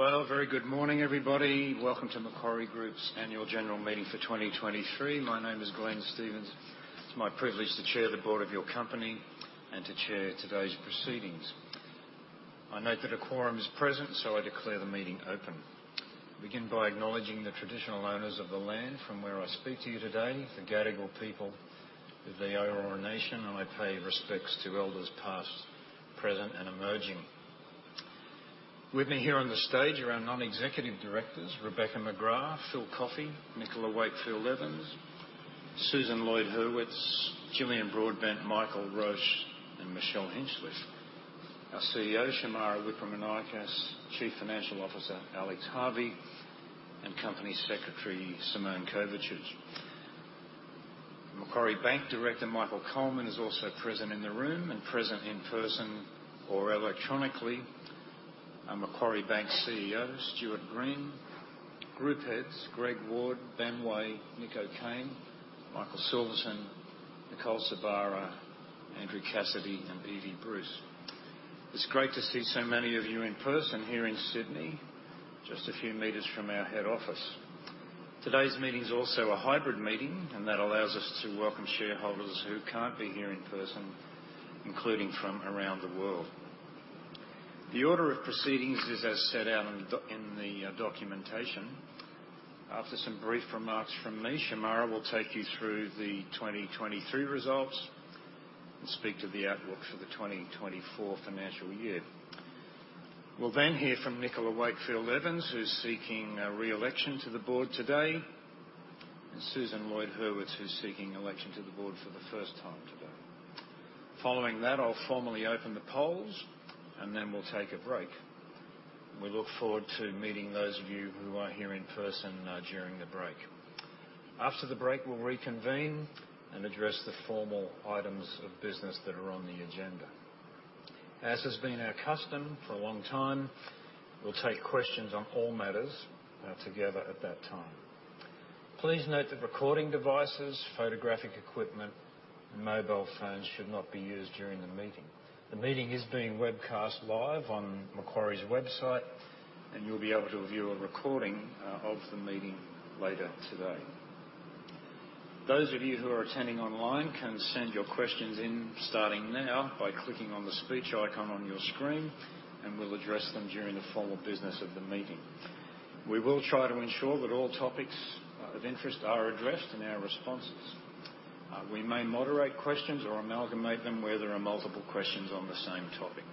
Well, very good morning, everybody. Welcome to Macquarie Group's Annual General Meeting for 2023. My name is Glenn Stevens. It's my privilege to chair the board of your company and to chair today's proceedings. I note that a quorum is present, so I declare the meeting open. I begin by acknowledging the traditional owners of the land from where I speak to you today, the Gadigal people of the Eora nation, and I pay respects to elders past, present, and emerging. With me here on the stage are our Non-Executive Directors, Rebecca McGrath, Philip Coffey, Nicola Wakefield Evans, Susan Lloyd-Hurwitz, Jillian Broadbent, Mike Roche, and Michelle Hinchliffe. Our CEO, Shemara Wikramanayake, Chief Financial Officer, Alex Harvey, and Company Secretary, Simone Kovacic. Macquarie Bank Director, Michael Coleman, is also present in the room and present in person or electronically, our Macquarie Bank CEO, Stuart Green, group heads Greg Ward, Ben Way, Nick O'Kane, Michael Silverton, Nicole Sorbara, Andrew Cassidy, and Evie Bruce. It's great to see so many of you in person here in Sydney, just a few meters from our head office. Today's meeting is also a hybrid meeting, that allows us to welcome shareholders who can't be here in person, including from around the world. The order of proceedings is as set out in the documentation. After some brief remarks from me, Shemara will take you through the 2023 results and speak to the outlook for the 2024 financial year. We'll then hear from Nicola Wakefield Evans, who's seeking re-election to the board today, and Susan Lloyd-Hurwitz, who's seeking election to the board for the first time today. Following that, I'll formally open the polls, and then we'll take a break. We look forward to meeting those of you who are here in person during the break. After the break, we'll reconvene and address the formal items of business that are on the agenda. As has been our custom for a long time, we'll take questions on all matters together at that time. Please note that recording devices, photographic equipment, and mobile phones should not be used during the meeting. The meeting is being webcast live on Macquarie's website, and you'll be able to view a recording of the meeting later today. Those of you who are attending online can send your questions in starting now by clicking on the speech icon on your screen. We'll address them during the formal business of the meeting. We will try to ensure that all topics of interest are addressed in our responses. We may moderate questions or amalgamate them where there are multiple questions on the same topic.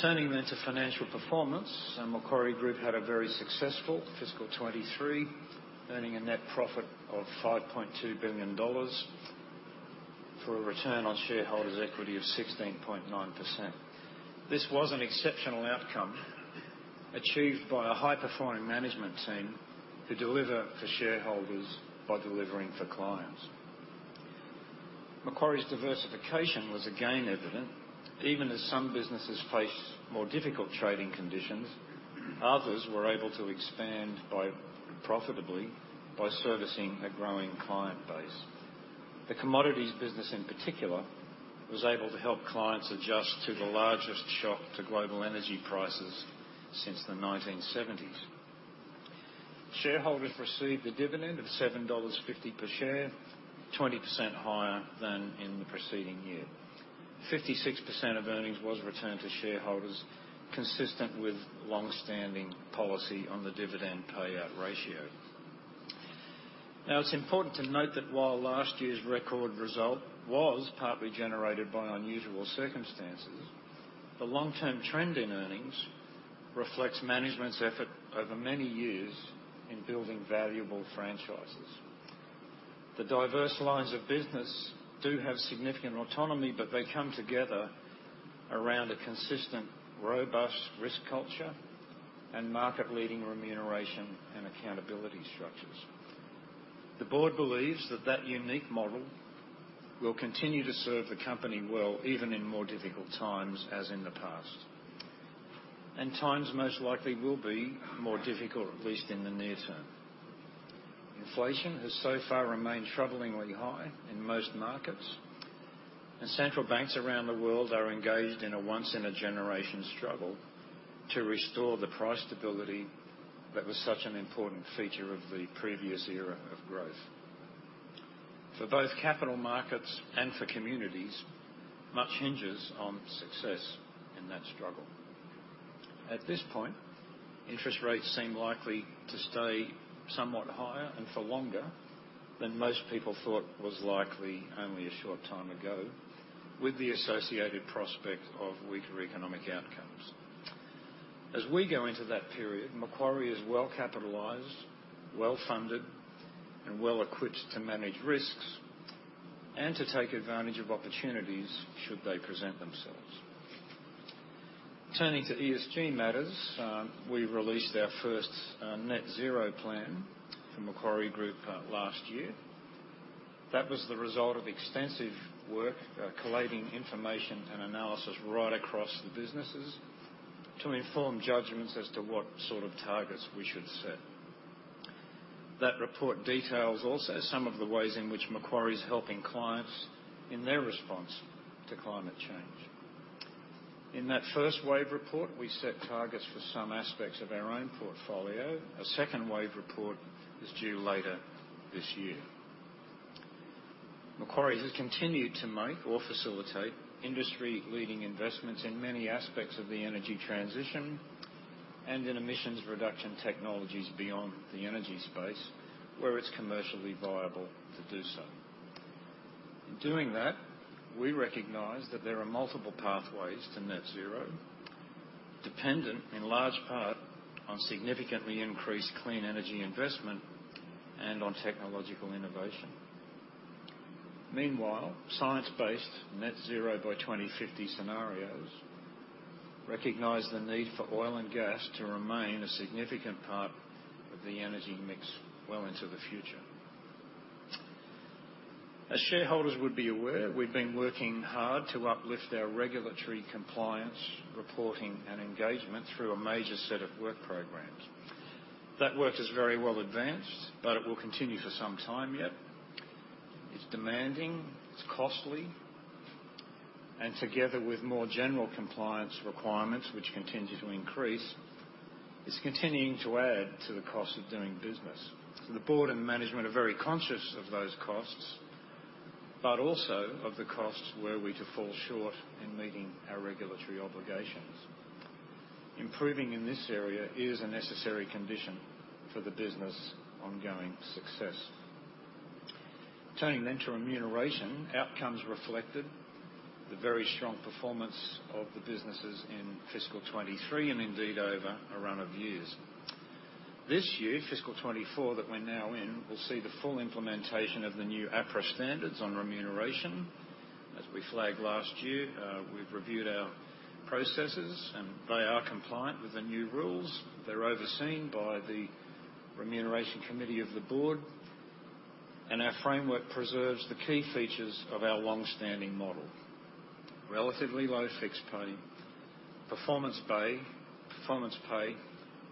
Turning to financial performance, Macquarie Group had a very successful fiscal 23, earning a net profit of 5.2 billion dollars, for a return on shareholders' equity of 16.9%. This was an exceptional outcome achieved by a high-performing management team to deliver for shareholders by delivering for clients. Macquarie's diversification was again evident. Even as some businesses faced more difficult trading conditions, others were able to expand profitably by servicing a growing client base. The commodities business, in particular, was able to help clients adjust to the largest shock to global energy prices since the 1970s. Shareholders received a dividend of 7.50 dollars per share, 20% higher than in the preceding year. 56% of earnings was returned to shareholders, consistent with long-standing policy on the dividend payout ratio. It's important to note that while last year's record result was partly generated by unusual circumstances, the long-term trend in earnings reflects management's effort over many years in building valuable franchises. The diverse lines of business do have significant autonomy, but they come together around a consistent, robust risk culture and market-leading remuneration and accountability structures. The board believes that unique model will continue to serve the company well, even in more difficult times, as in the past. Times most likely will be more difficult, at least in the near term. Inflation has so far remained troublingly high in most markets, central banks around the world are engaged in a once-in-a-generation struggle to restore the price stability that was such an important feature of the previous era of growth. For both capital markets and for communities, much hinges on success in that struggle. At this point, interest rates seem likely to stay somewhat higher, and for longer than most people thought was likely only a short time ago, with the associated prospect of weaker economic outcomes. As we go into that period, Macquarie is well capitalized, well-funded, and well-equipped to manage risks and to take advantage of opportunities should they present themselves. Turning to ESG matters, we released our first net zero plan for Macquarie Group last year. That was the result of extensive work, collating information and analysis right across the businesses to inform judgments as to what sort of targets we should set. That report details also some of the ways in which Macquarie is helping clients in their response to climate change. In that first wave report, we set targets for some aspects of our own portfolio. A second wave report is due later this year. Macquarie has continued to make or facilitate industry-leading investments in many aspects of the energy transition and in emissions reduction technologies beyond the energy space, where it's commercially viable to do so. In doing that, we recognize that there are multiple pathways to net zero, dependent in large part on significantly increased clean energy investment and on technological innovation. Meanwhile, science-based net zero by 2050 scenarios recognize the need for oil and gas to remain a significant part of the energy mix well into the future. As shareholders would be aware, we've been working hard to uplift our regulatory compliance, reporting, and engagement through a major set of work programs. That work is very well advanced, but it will continue for some time yet. It's demanding, it's costly, and together with more general compliance requirements, which continue to increase, it's continuing to add to the cost of doing business. The board and management are very conscious of those costs, but also of the costs were we to fall short in meeting our regulatory obligations. Improving in this area is a necessary condition for the business' ongoing success. Turning to remuneration, outcomes reflected the very strong performance of the businesses in fiscal 23 and indeed over a run of years. This year, fiscal 24, that we're now in, will see the full implementation of the new APRA standards on remuneration. As we flagged last year, we've reviewed our processes, they are compliant with the new rules. They're overseen by the Remuneration Committee of the Board, our framework preserves the key features of our long-standing model. Relatively low fixed pay, performance pay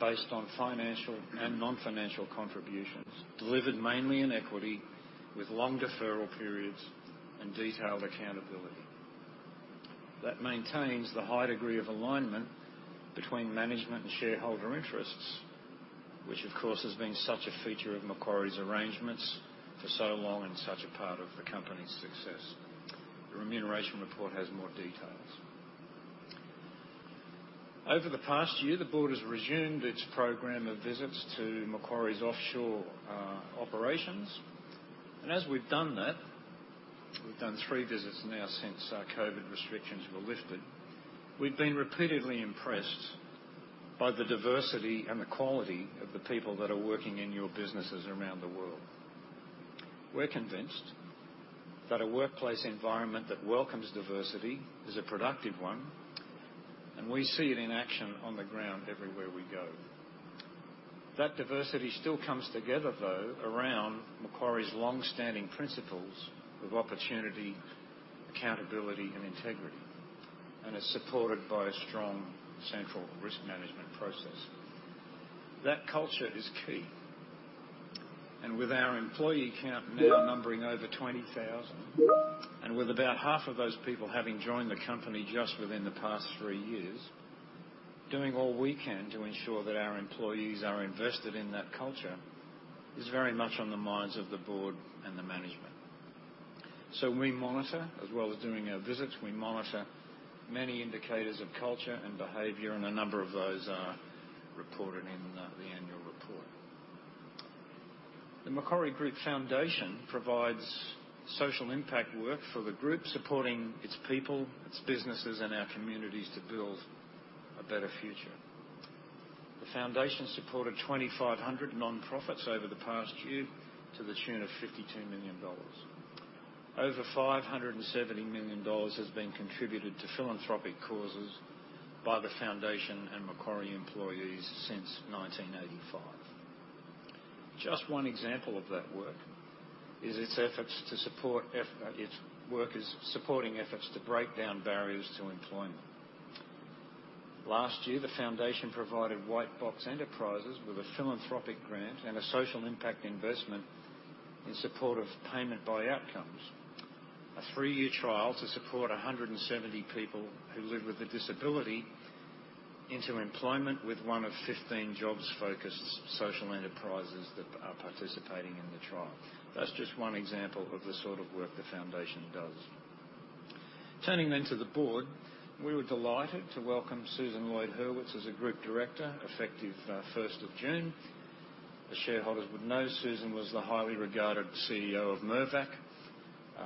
based on financial and non-financial contributions, delivered mainly in equity, with long deferral periods and detailed accountability. That maintains the high degree of alignment between management and shareholder interests, which, of course, has been such a feature of Macquarie's arrangements for so long and such a part of the company's success. The remuneration report has more details. Over the past year, the board has resumed its program of visits to Macquarie's offshore operations, and as we've done that, we've done three visits now since COVID restrictions were lifted. We've been repeatedly impressed by the diversity and the quality of the people that are working in your businesses around the world. We're convinced that a workplace environment that welcomes diversity is a productive one, and we see it in action on the ground everywhere we go. That diversity still comes together, though, around Macquarie's long-standing principles of opportunity, accountability, and integrity, and is supported by a strong central risk management process. That culture is key. With our employee count now numbering over 20,000, and with about half of those people having joined the company just within the past 3 years, doing all we can to ensure that our employees are invested in that culture is very much on the minds of the board and the management. We monitor, as well as doing our visits, we monitor many indicators of culture and behavior, and a number of those are reported in the annual report. The Macquarie Group Foundation provides social impact work for the group, supporting its people, its businesses, and our communities to build a better future. The foundation supported 2,500 nonprofits over the past year to the tune of 52 million dollars. Over 570 million dollars has been contributed to philanthropic causes by the foundation and Macquarie employees since 1985. Just one example of that work, is its efforts to support its workers, supporting efforts to break down barriers to employment. Last year, the foundation provided White Box Enterprises with a philanthropic grant and a social impact investment in support of payment by outcomes, a 3-year trial to support 170 people who live with a disability into employment with one of 15 jobs-focused social enterprises that are participating in the trial. That's just one example of the sort of work the foundation does. Turning to the board, we were delighted to welcome Susan Lloyd-Hurwitz as a group director, effective, first of June. As shareholders would know, Susan was the highly regarded CEO of Mirvac,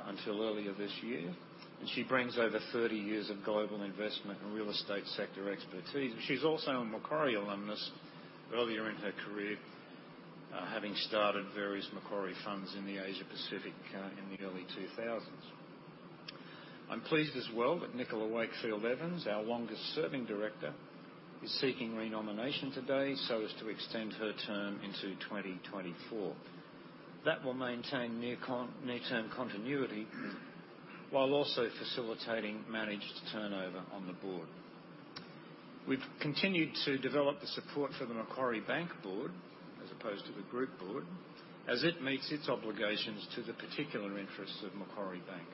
until earlier this year, and she brings over 30 years of global investment and real estate sector expertise. She's also a Macquarie alumnus, earlier in her career, having started various Macquarie funds in the Asia Pacific in the early 2000s. I'm pleased as well that Nicola Wakefield Evans, our longest-serving director, is seeking renomination today so as to extend her term into 2024. That will maintain near-term continuity, while also facilitating managed turnover on the Board. We've continued to develop the support for the Macquarie Bank Board, as opposed to the Group Board, as it meets its obligations to the particular interests of Macquarie Bank.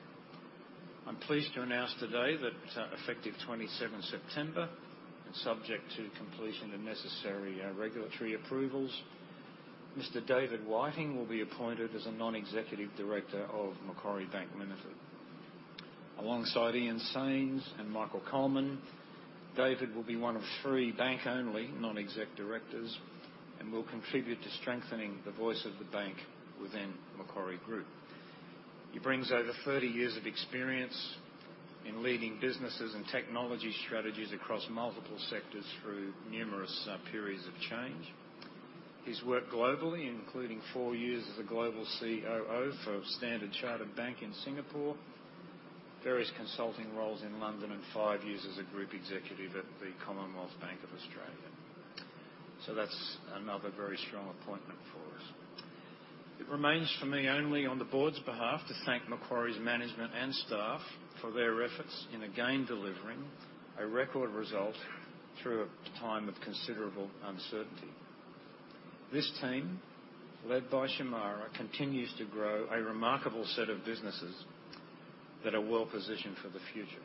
I'm pleased to announce today that, effective 27th September, and subject to completion of necessary regulatory approvals, Mr. David Whiteing will be appointed as a non-executive director of Macquarie Bank Limited. Alongside Ian Saines and Michael Coleman, David will be one of 3 bank-only non-exec directors and will contribute to strengthening the voice of the bank within Macquarie Group. He brings over 30 years of experience in leading businesses and technology strategies across multiple sectors through numerous periods of change. He's worked globally, including 4 years as a global COO for Standard Chartered Bank in Singapore, various consulting roles in London, and 5 years as a group executive at the Commonwealth Bank of Australia. That's another very strong appointment for us. It remains for me, only on the board's behalf, to thank Macquarie's management and staff for their efforts in again delivering a record result through a time of considerable uncertainty. This team, led by Shemara, continues to grow a remarkable set of businesses that are well-positioned for the future.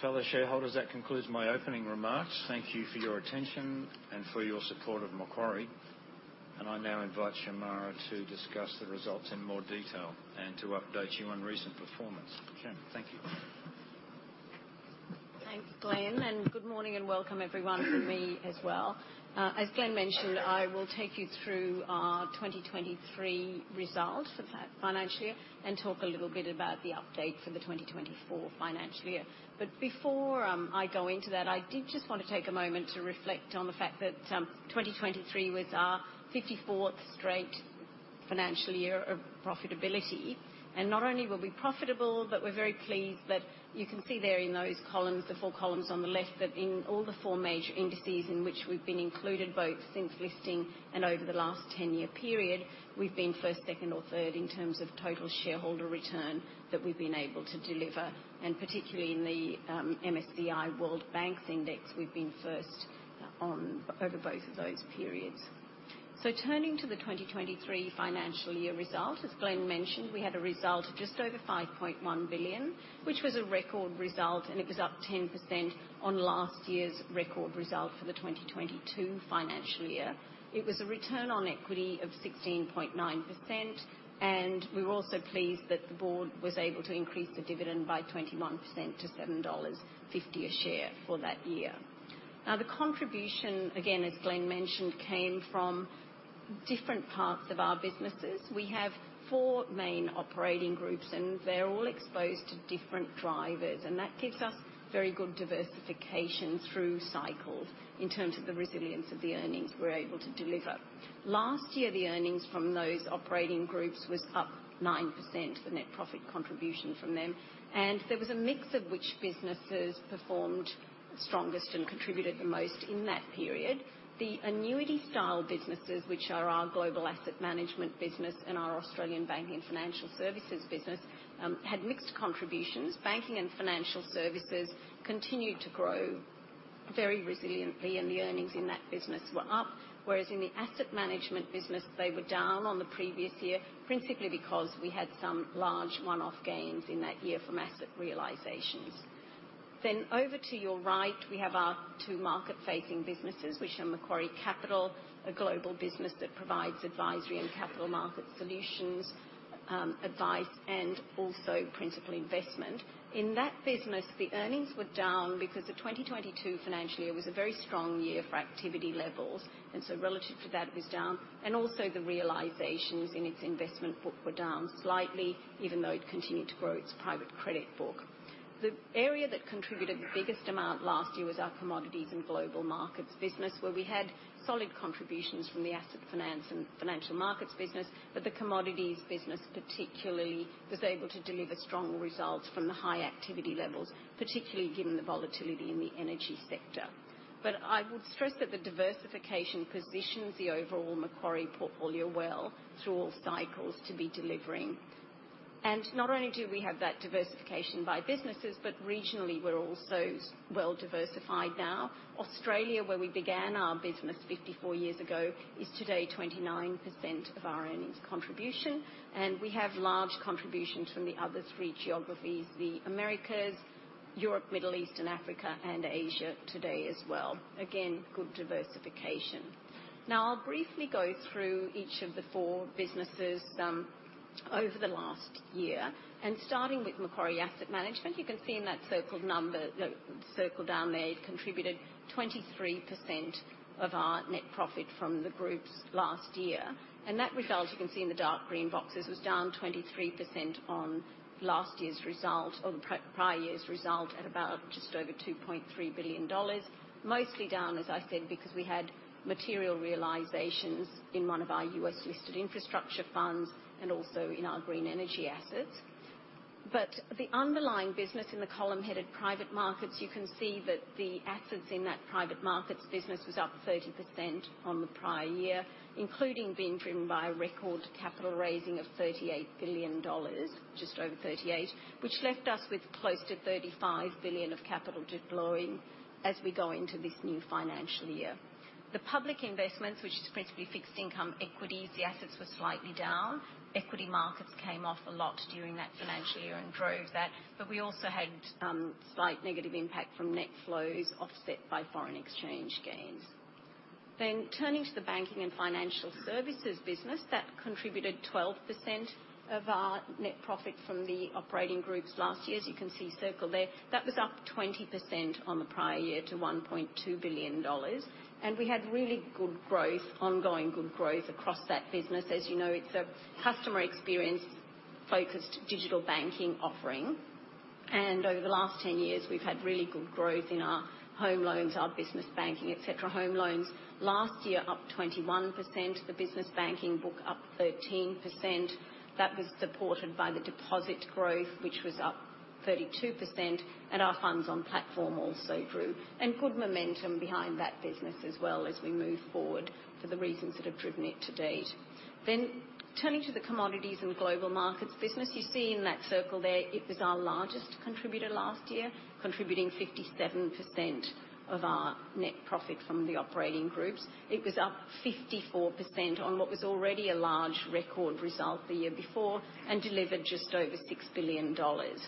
Fellow shareholders, that concludes my opening remarks. Thank you for your attention and for your support of Macquarie. I now invite Shemara to discuss the results in more detail and to update you on recent performance. Thank you. Thanks, Glenn. Good morning and welcome everyone, from me as well. As Glenn mentioned, I will take you through our 2023 result for that financial year and talk a little bit about the update for the 2024 financial year. Before I go into that, I did just want to take a moment to reflect on the fact that 2023 was our 54th straight financial year of profitability. Not only were we profitable, but we're very pleased that you can see there in those columns, the four columns on the left, that in all the four major indices in which we've been included, both since listing and over the last 10-year period, we've been first, second, or third in terms of total shareholder return that we've been able to deliver, and particularly in the MSCI World Banks Index, we've been first over both of those periods. Turning to the 2023 financial year result, as Glenn mentioned, we had a result of just over 5.1 billion, which was a record result, and it was up 10% on last year's record result for the 2022 financial year. It was a return on equity of 16.9%. We were also pleased that the board was able to increase the dividend by 21% to 7.50 dollars a share for that year. The contribution, again, as Glenn mentioned, came from different parts of our businesses. We have four main operating groups, and they're all exposed to different drivers, and that gives us very good diversification through cycles in terms of the resilience of the earnings we're able to deliver. Last year, the earnings from those operating groups was up 9%, the net profit contribution from them, and there was a mix of which businesses performed strongest and contributed the most in that period. The annuity-style businesses, which are our global asset management business and our Australian banking financial services business, had mixed contributions. Banking and financial services continued to grow very resiliently, the earnings in that business were up, whereas in the asset management business, they were down on the previous year, principally because we had some large one-off gains in that year from asset realizations. Over to your right, we have our two market-facing businesses, which are Macquarie Capital, a global business that provides advisory and capital market solutions, advice, and also principal investment. In that business, the earnings were down because the 2022 financial year was a very strong year for activity levels, relative to that, it was down. The realizations in its investment book were down slightly, even though it continued to grow its private credit book. The area that contributed the biggest amount last year was our Commodities and Global Markets business, where we had solid contributions from the asset finance and financial markets business. The commodities business particularly was able to deliver strong results from the high activity levels, particularly given the volatility in the energy sector. I would stress that the diversification positions the overall Macquarie portfolio well through all cycles to be delivering. Not only do we have that diversification by businesses, but regionally we're also well diversified now. Australia, where we began our business 54 years ago, is today 29% of our earnings contribution, and we have large contributions from the other 3 geographies: the Americas, Europe, Middle East and Africa, and Asia today as well. Again, good diversification. I'll briefly go through each of the 4 businesses, over the last year. Starting with Macquarie Asset Management, you can see in that circled number, the circle down there, it contributed 23% of our net profit from the groups last year. That result, you can see in the dark green boxes, was down 23% on last year's result or the prior year's result, at about just over $2.3 billion. Mostly down, as I said, because we had material realizations in one of our US-listed infrastructure funds and also in our green energy assets. The underlying business in the column headed Private Markets, you can see that the assets in that private markets business was up 30% on the prior year, including being driven by a record capital raising of AUD 38 billion, just over 38, which left us with close to AUD 35 billion of capital deploying as we go into this new financial year. The public investments, which is principally fixed income equities, the assets were slightly down. Equity markets came off a lot during that financial year and drove that, but we also had slight negative impact from net flows offset by foreign exchange gains. Turning to the banking and financial services business, that contributed 12% of our net profit from the operating groups last year, as you can see circled there. That was up 20% on the prior year to 1.2 billion dollars. We had really good growth, ongoing good growth across that business. As you know, it's a customer experience focused digital banking offering, and over the last 10 years, we've had really good growth in our home loans, our business banking, et cetera. Home loans last year, up 21%. The business banking book up 13%. That was supported by the deposit growth, which was up 32%, and our funds on platform also grew. Good momentum behind that business as well as we move forward for the reasons that have driven it to date. Turning to the Commodities and Global Markets business, you see in that circle there, it was our largest contributor last year, contributing 57% of our net profit from the operating groups. It was up 54% on what was already a large record result the year before, delivered just over 6 billion dollars.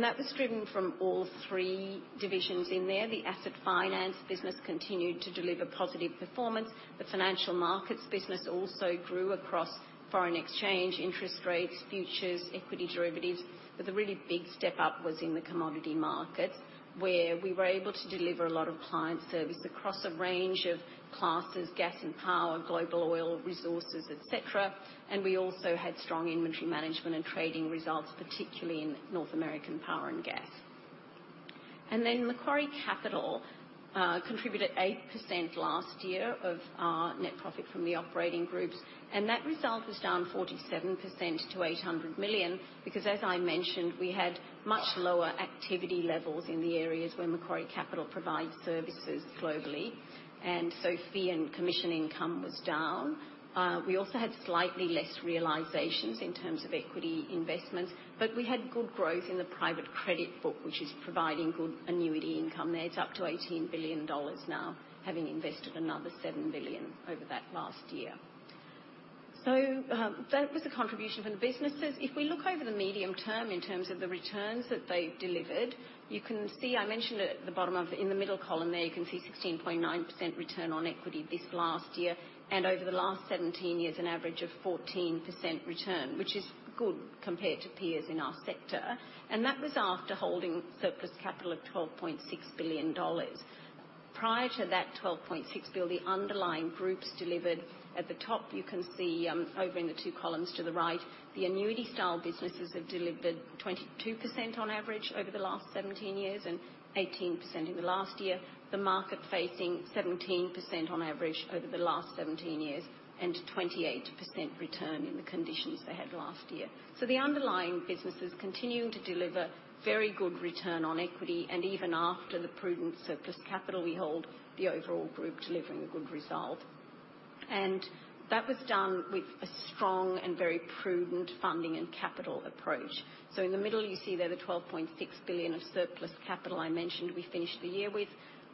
That was driven from all three divisions in there. The asset finance business continued to deliver positive performance. The financial markets business also grew across foreign exchange, interest rates, futures, equity derivatives. The really big step up was in the commodity markets, where we were able to deliver a lot of client service across a range of classes, gas and power, global oil, resources, et cetera. We also had strong inventory management and trading results, particularly in North American power and gas. Macquarie Capital contributed 8% last year of our net profit from the operating groups, and that result was down 47% to 800 million, because as I mentioned, we had much lower activity levels in the areas where Macquarie Capital provides services globally, and so fee and commission income was down. We also had slightly less realizations in terms of equity investments, but we had good growth in the private credit book, which is providing good annuity income there. It's up to 18 billion dollars now, having invested another 7 billion over that last year. That was the contribution from the businesses. If we look over the medium term in terms of the returns that they've delivered, you can see I mentioned at the bottom of, in the middle column there, you can see 16.9% return on equity this last year, and over the last 17 years, an average of 14% return, which is good compared to peers in our sector. That was after holding surplus capital of 12.6 billion dollars. Prior to that 12.6 bill, the underlying groups delivered at the top, you can see, over in the two columns to the right, the annuity style businesses have delivered 22% on average over the last 17 years and 18% in the last year. The market facing 17% on average over the last 17 years and 28% return in the conditions they had last year. The underlying businesses continuing to deliver very good return on equity, and even after the prudent surplus capital we hold, the overall group delivering a good result. That was done with a strong and very prudent funding and capital approach. In the middle, you see there the 12.6 billion of surplus capital I mentioned we finished the year with.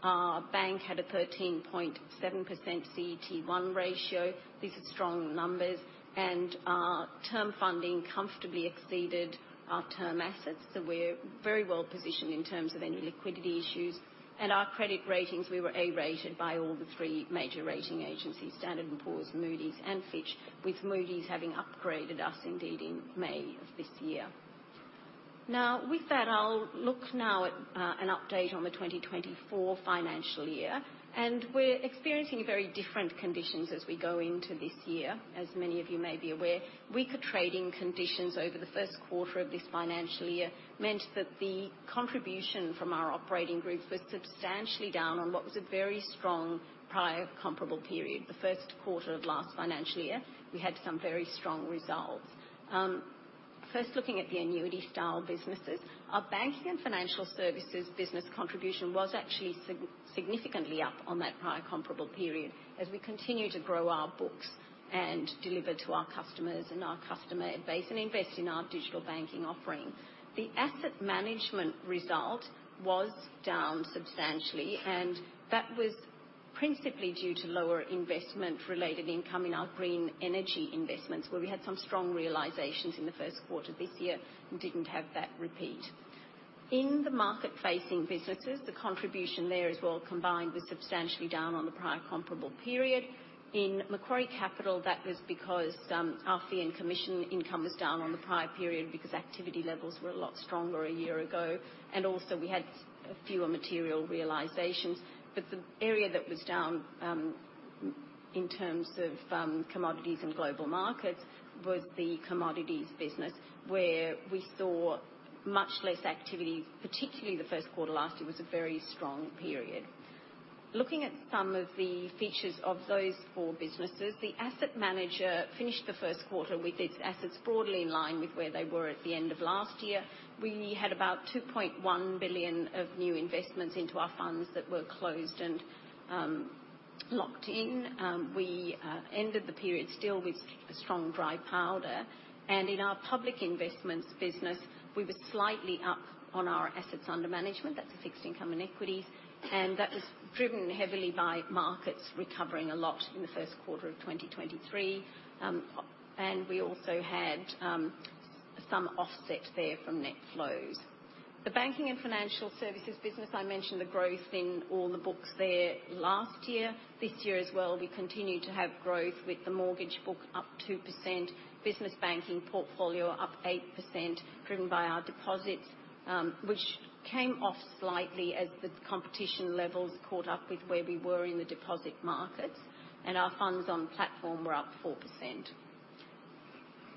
Our bank had a 13.7% CET1 ratio. These are strong numbers, and our term funding comfortably exceeded our term assets. We're very well positioned in terms of any liquidity issues. Our credit ratings, we were A-rated by all the three major rating agencies, Standard & Poor's, Moody's and Fitch, with Moody's having upgraded us indeed, in May of this year. With that, I'll look now at an update on the 2024 financial year. We're experiencing very different conditions as we go into this year. As many of you may be aware, weaker trading conditions over the Q1 of this financial year meant that the contribution from our operating groups was substantially down on what was a very strong prior comparable period. The Q1 of last financial year, we had some very strong results. First, looking at the annuity style businesses, our Banking and Financial Services business contribution was actually significantly up on that prior comparable period as we continue to grow our books and deliver to our customers and our customer base and invest in our digital banking offering. The asset management result was down substantially, and that was principally due to lower investment related income in our green energy investments, where we had some strong realizations in the Q1 this year and didn't have that repeat. In the market-facing businesses, the contribution there as well, combined with substantially down on the prior comparable period. In Macquarie Capital, that was because our fee and commission income was down on the prior period because activity levels were a lot stronger a year ago, and also we had fewer material realizations. The area that was down in terms of Commodities and Global Markets, was the commodities business, where we saw much less activity, particularly the Q1 last year, was a very strong period. Looking at some of the features of those four businesses, the Asset Manager finished the Q1 with its assets broadly in line with where they were at the end of last year. We had about 2.1 billion of new investments into our funds that were closed and locked in. We ended the period still with a strong dry powder, and in our public investments business, we were slightly up on our assets under management. That's a fixed income and equity, and that was driven heavily by markets recovering a lot in the Q1 of 2023. We also had some offset there from net flows. The Banking and Financial Services business, I mentioned the growth in all the books there last year. This year as well, we continued to have growth with the mortgage book up 2%, business banking portfolio up 8%, driven by our deposits, which came off slightly as the competition levels caught up with where we were in the deposit markets and our funds on platform were up 4%.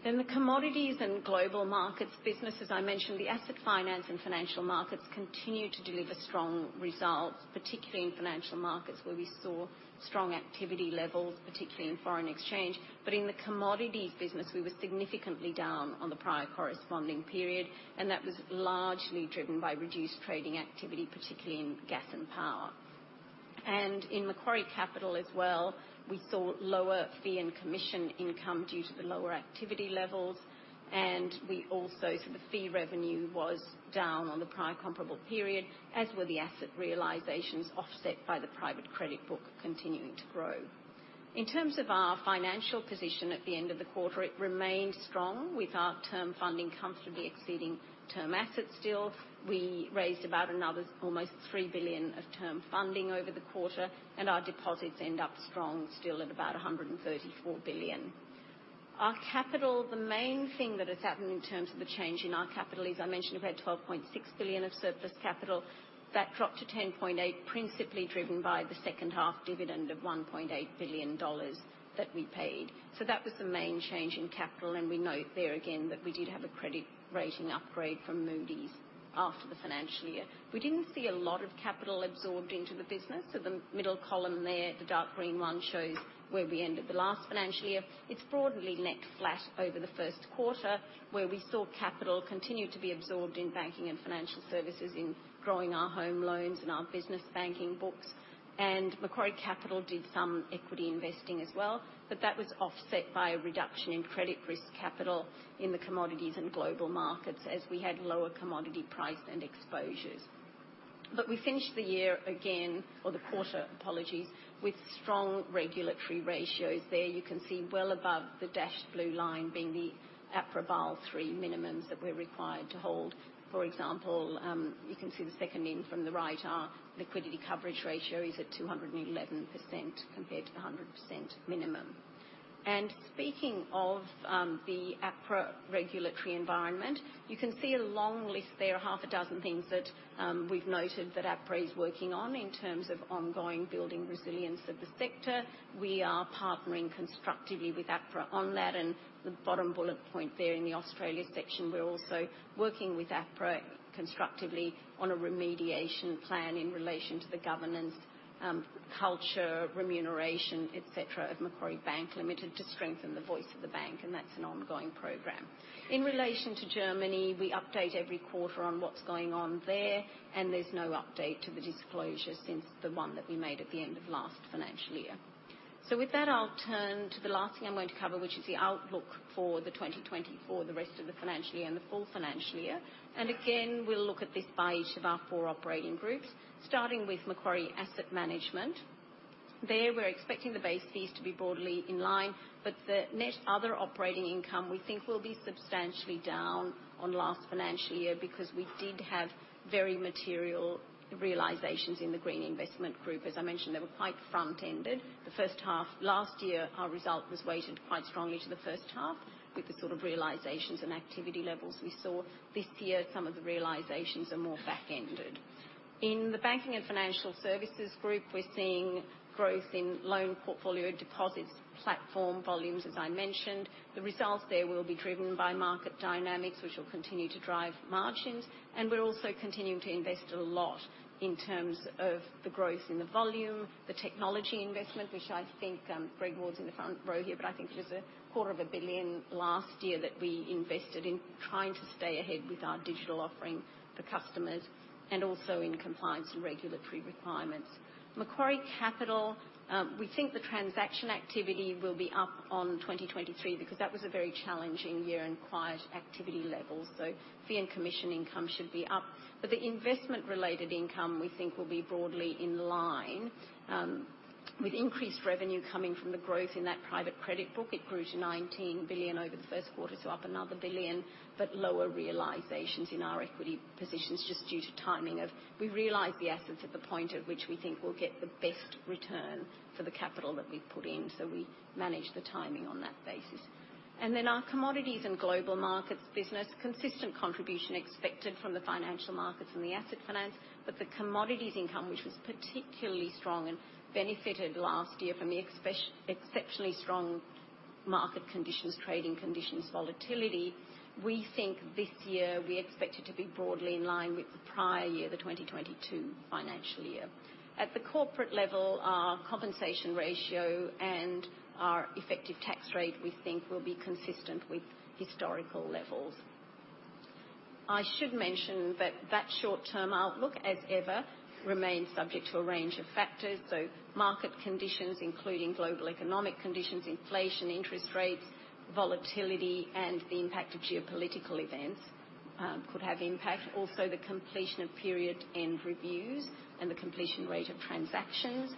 In the Commodities and Global Markets business, as I mentioned, the Asset Finance and Financial Markets continue to deliver strong results, particularly in Financial Markets, where we saw strong activity levels, particularly in foreign exchange. In the Commodities business, we were significantly down on the prior corresponding period, and that was largely driven by reduced trading activity, particularly in gas and power. In Macquarie Capital as well, we saw lower fee and commission income due to the lower activity levels, the fee revenue was down on the prior comparable period, as were the asset realizations offset by the private credit book continuing to grow. In terms of our financial position at the end of the quarter, it remained strong, with our term funding comfortably exceeding term assets still. We raised about another almost 3 billion of term funding over the quarter, and our deposits end up strong, still at about 134 billion. Our capital, the main thing that has happened in terms of the change in our capital, as I mentioned, we've had 12.6 billion of surplus capital. That dropped to 10.8, principally driven by the second half dividend of 1.8 billion dollars that we paid. That was the main change in capital, and we note there again, that we did have a credit rating upgrade from Moody's after the financial year. We didn't see a lot of capital absorbed into the business, the middle column there, the dark green one, shows where we ended the last financial year. It's broadly net flat over the Q1, where we saw capital continue to be absorbed in banking and financial services, in growing our home loans and our business banking books. Macquarie Capital did some equity investing as well, but that was offset by a reduction in credit risk capital in the commodities and global markets as we had lower commodity price and exposures. We finished the year again, or the quarter, apologies, with strong regulatory ratios. There you can see well above the dashed blue line being the APRA Basel III minimums that we're required to hold. For example, you can see the second in from the right, our Liquidity Coverage Ratio is at 211% compared to 100% minimum. Speaking of the APRA regulatory environment, you can see a long list there, half a dozen things that we've noted that APRA is working on in terms of ongoing building resilience of the sector. We are partnering constructively with APRA on that, and the bottom bullet point there in the Australia section, we're also working with APRA constructively on a remediation plan in relation to the governance, culture, remuneration, et cetera, of Macquarie Bank Limited, to strengthen the voice of the bank, and that's an ongoing program. In relation to Germany, we update every quarter on what's going on there, and there's no update to the disclosure since the one that we made at the end of last financial year. With that, I'll turn to the last thing I'm going to cover, which is the outlook for 2024, the rest of the financial year and the full financial year. Again, we'll look at this by each of our four operating groups, starting with Macquarie Asset Management. There, we're expecting the base fees to be broadly in line, but the net other operating income, we think, will be substantially down on last financial year because we did have very material realisations in the Green Investment Group. As I mentioned, they were quite front-ended. The first half last year, our result was weighted quite strongly to the first half with the sort of realisations and activity levels we saw. This year, some of the realisations are more back-ended. In the Banking and Financial Services Group, we're seeing growth in loan portfolio deposits, platform volumes, as I mentioned. The results there will be driven by market dynamics, which will continue to drive margins, and we're also continuing to invest a lot in terms of the growth in the volume, the technology investment, which I think, Greg Ward's in the front row here, but I think it was a quarter of a billion last year that we invested in trying to stay ahead with our digital offering for customers and also in compliance and regulatory requirements. Macquarie Capital, we think the transaction activity will be up on 2023, because that was a very challenging year and quiet activity levels, so fee and commission income should be up. The investment-related income, we think, will be broadly in line, with increased revenue coming from the growth in that private credit book. It grew to $19 billion over the Q1, so up another $1 billion, but lower realizations in our equity positions just due to timing. We realize the assets at the point at which we think we'll get the best return for the capital that we've put in, so we manage the timing on that basis. Our Commodities and Global Markets business, consistent contribution expected from the financial markets and the asset finance, but the commodities income, which was particularly strong. benefited last year from the exceptionally strong market conditions, trading conditions, volatility. We think this year we expect it to be broadly in line with the prior year, the 2022 financial year. At the corporate level, our compensation ratio and our effective tax rate, we think will be consistent with historical levels. I should mention that that short-term outlook, as ever, remains subject to a range of factors. Market conditions, including global economic conditions, inflation, interest rates, volatility, and the impact of geopolitical events could have impact. Also, the completion of period-end reviews and the completion rate of transactions,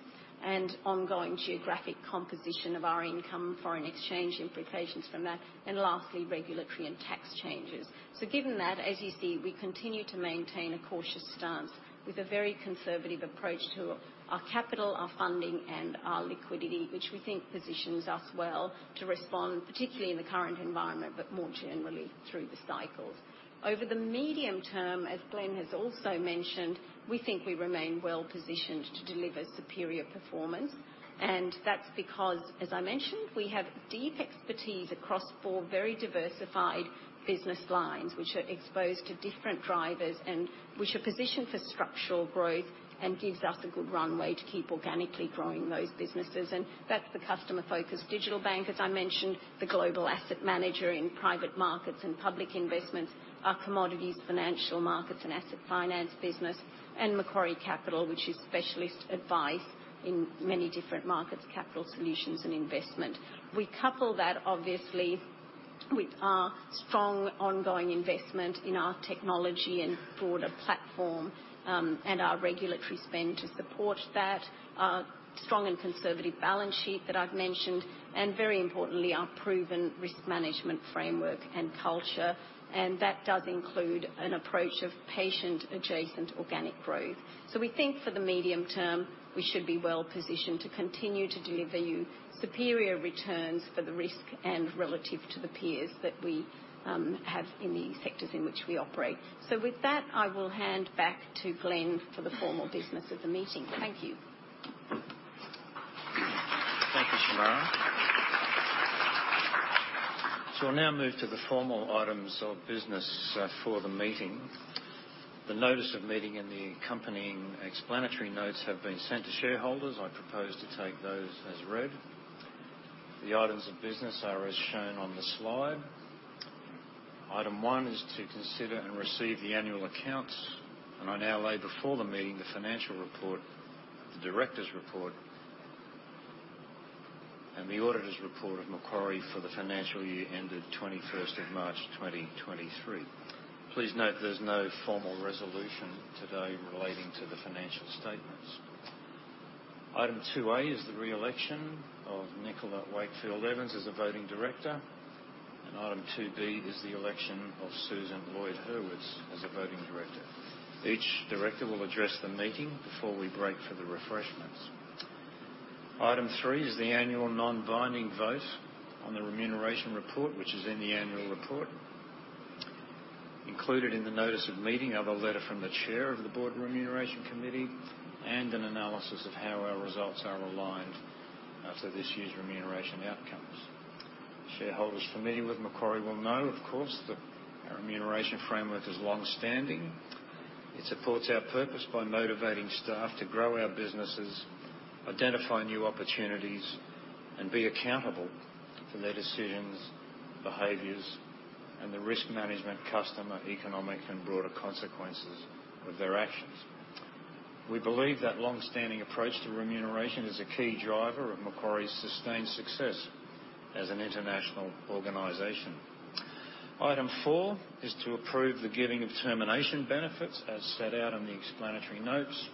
and ongoing geographic composition of our income, foreign exchange implications from that, and lastly, regulatory and tax changes. Given that, as you see, we continue to maintain a cautious stance with a very conservative approach to our capital, our funding, and our liquidity, which we think positions us well to respond, particularly in the current environment, but more generally through the cycles. Over the medium term, as Glenn has also mentioned, we think we remain well-positioned to deliver superior performance, and that's because, as I mentioned, we have deep expertise across four very diversified business lines, which are exposed to different drivers and which are positioned for structural growth and gives us a good runway to keep organically growing those businesses. That's the customer-focused digital bank, as I mentioned, the global asset manager in private markets and public investments, our commodities, financial markets, and asset finance business, and Macquarie Capital, which is specialist advice in many different markets, capital solutions, and investment. We couple that, obviously, with our strong ongoing investment in our technology and broader platform, our regulatory spend to support that strong and conservative balance sheet that I've mentioned, very importantly, our proven risk management framework and culture, that does include an approach of patient adjacent organic growth. We think for the medium term, we should be well-positioned to continue to deliver you superior returns for the risk and relative to the peers that we have in the sectors in which we operate. With that, I will hand back to Glenn for the formal business of the meeting. Thank you. Thank you, Shemara. We'll now move to the formal items of business for the meeting. The notice of meeting and the accompanying explanatory notes have been sent to shareholders. I propose to take those as read. The items of business are as shown on the slide. Item 1 is to consider and receive the annual accounts. I now lay before the meeting, the financial report, the director's report, and the auditor's report of Macquarie for the financial year ended 21st of March, 2023. Please note there's no formal resolution today relating to the financial statements. Item 2A is the re-election of Nicola Wakefield Evans as a voting director. Item 2B is the election of Susan Lloyd-Hurwitz as a voting director. Each director will address the meeting before we break for the refreshments. Item three is the annual non-binding vote on the remuneration report, which is in the annual report. Included in the notice of meeting of a letter from the chair of the Board Remuneration Committee, and an analysis of how our results are aligned for this year's remuneration outcomes. Shareholders familiar with Macquarie will know, of course, that our remuneration framework is longstanding. It supports our purpose by motivating staff to grow our businesses, identify new opportunities, and be accountable for their decisions, behaviors, and the risk management, customer, economic, and broader consequences of their actions. We believe that longstanding approach to remuneration is a key driver of Macquarie's sustained success as an international organization. Item four is to approve the giving of termination benefits, as set out in the explanatory notes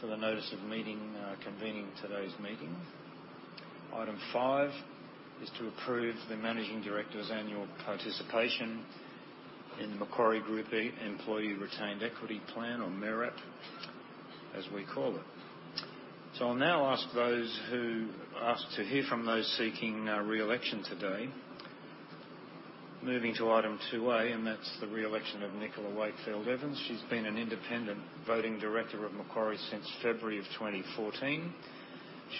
for the notice of meeting, convening today's meeting. Item 5 is to approve the managing director's annual participation in the Macquarie Group Employee Retained Equity Plan, or MEREP, as we call it. I'll now ask those who asked to hear from those seeking re-election today. Moving to item 2A, that's the re-election of Nicola Wakefield Evans. She's been an independent voting director of Macquarie since February of 2014.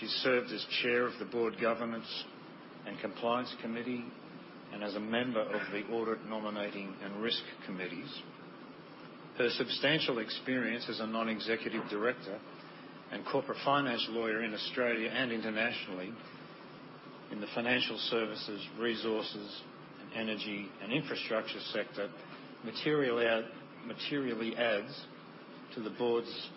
She served as chair of the Board Governance and Compliance Committee and as a member of the Audit Nominating and Risk Committees. Her substantial experience as a non-executive director and corporate finance lawyer in Australia and internationally in the financial services, resources, and energy, and infrastructure sector, materially adds to the board's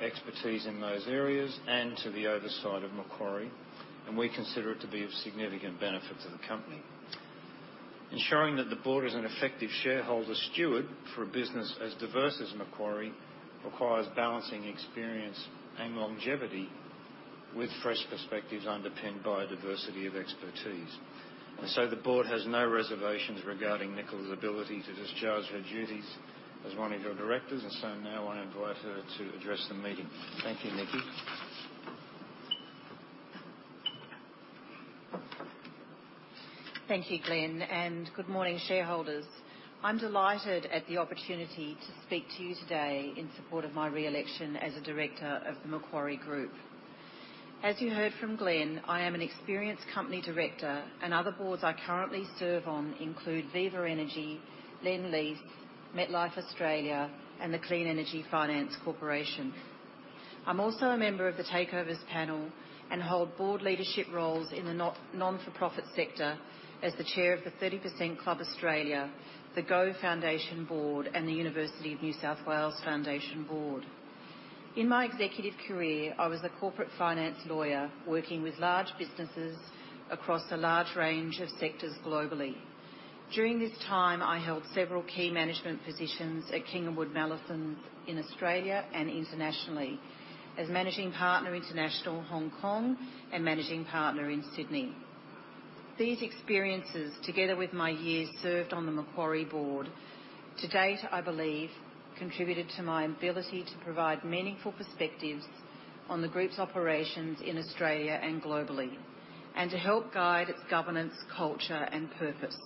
expertise in those areas and to the oversight of Macquarie, and we consider it to be of significant benefit to the company. Ensuring that the board is an effective shareholder steward for a business as diverse as Macquarie requires balancing experience and longevity with fresh perspectives underpinned by a diversity of expertise. The board has no reservations regarding Nicola's ability to discharge her duties as one of your directors, and so now I invite her to address the meeting. Thank you, Nikki. Thank you, Glenn, and good morning, shareholders. I'm delighted at the opportunity to speak to you today in support of my re-election as a director of the Macquarie Group. As you heard from Glenn, I am an experienced company director, and other boards I currently serve on include Viva Energy, Lendlease, MetLife Australia, and the Clean Energy Finance Corporation. I'm also a member of the Takeovers Panel and hold board leadership roles in the non-for-profit sector as the chair of the 30% Club Australia, the GO Foundation Board, and the University of New South Wales Foundation Board. In my executive career, I was a corporate finance lawyer working with large businesses across a large range of sectors globally. During this time, I held several key management positions at King & Wood Mallesons in Australia and internationally as Managing Partner, International Hong Kong, and Managing Partner in Sydney. These experiences, together with my years served on the Macquarie board, to date, I believe, contributed to my ability to provide meaningful perspectives on the group's operations in Australia and globally, and to help guide its governance, culture, and purpose.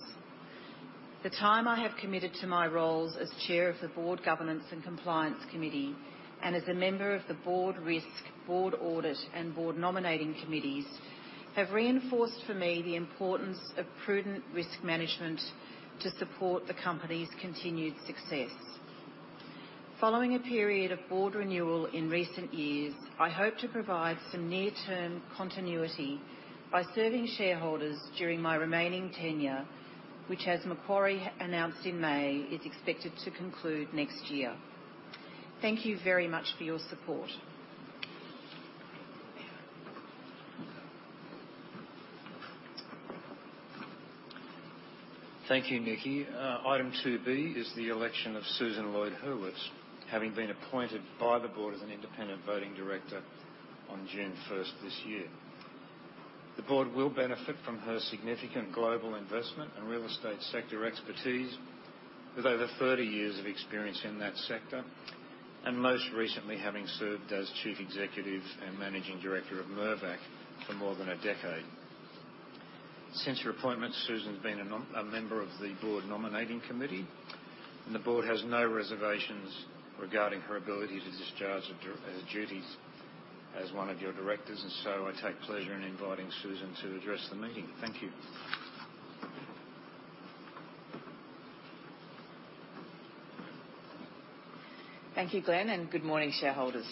The time I have committed to my roles as chair of the Board Governance and Compliance Committee, and as a member of the Board Risk, Board Audit, and Board Nominating Committees, have reinforced for me the importance of prudent risk management to support the company's continued success. Following a period of board renewal in recent years, I hope to provide some near-term continuity by serving shareholders during my remaining tenure, which, as Macquarie announced in May, is expected to conclude next year. Thank you very much for your support. Thank you, Nikki. Item 2B is the election of Susan Lloyd-Hurwitz, having been appointed by the Board as an Independent Voting Director on June first this year. The Board will benefit from her significant global investment and real estate sector expertise, with over 30 years of experience in that sector. Most recently, having served as Chief Executive and Managing Director of Mirvac for more than a decade. Since her appointment, Susan's been a member of the Board Nominating Committee. The Board has no reservations regarding her ability to discharge her duties as one of your directors. I take pleasure in inviting Susan to address the meeting. Thank you. Thank you, Glenn. Good morning, shareholders.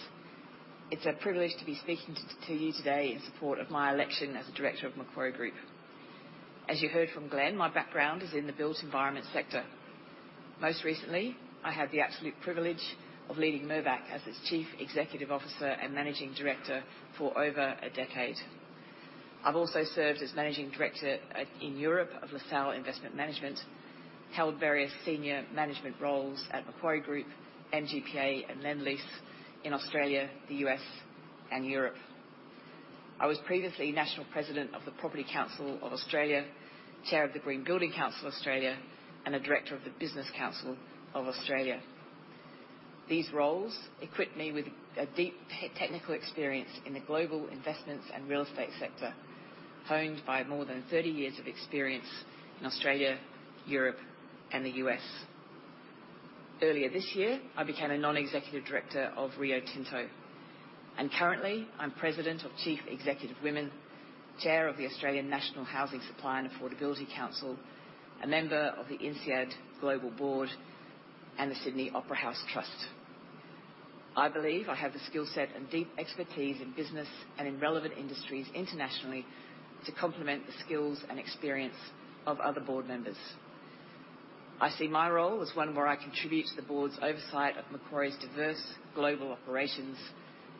It's a privilege to be speaking to you today in support of my election as a Director of Macquarie Group. As you heard from Glenn, my background is in the built environment sector. Most recently, I had the absolute privilege of leading Mirvac as its Chief Executive Officer and Managing Director for over a decade. I've also served as Managing Director in Europe of LaSalle Investment Management, held various senior management roles at Macquarie Group, MGPA, and Lendlease in Australia, the U.S., and Europe. I was previously National President of the Property Council of Australia, Chair of the Green Building Council of Australia, and a Director of the Business Council of Australia. These roles equipped me with a deep technical experience in the global investments and real estate sector, honed by more than 30 years of experience in Australia, Europe, and the U.S. Earlier this year, I became a non-executive director of Rio Tinto. Currently, I'm president of Chief Executive Women, chair of the Australian National Housing Supply and Affordability Council, a member of the INSEAD Global Board and the Sydney Opera House Trust. I believe I have the skill set and deep expertise in business and in relevant industries internationally to complement the skills and experience of other board members. I see my role as one where I contribute to the board's oversight of Macquarie's diverse global operations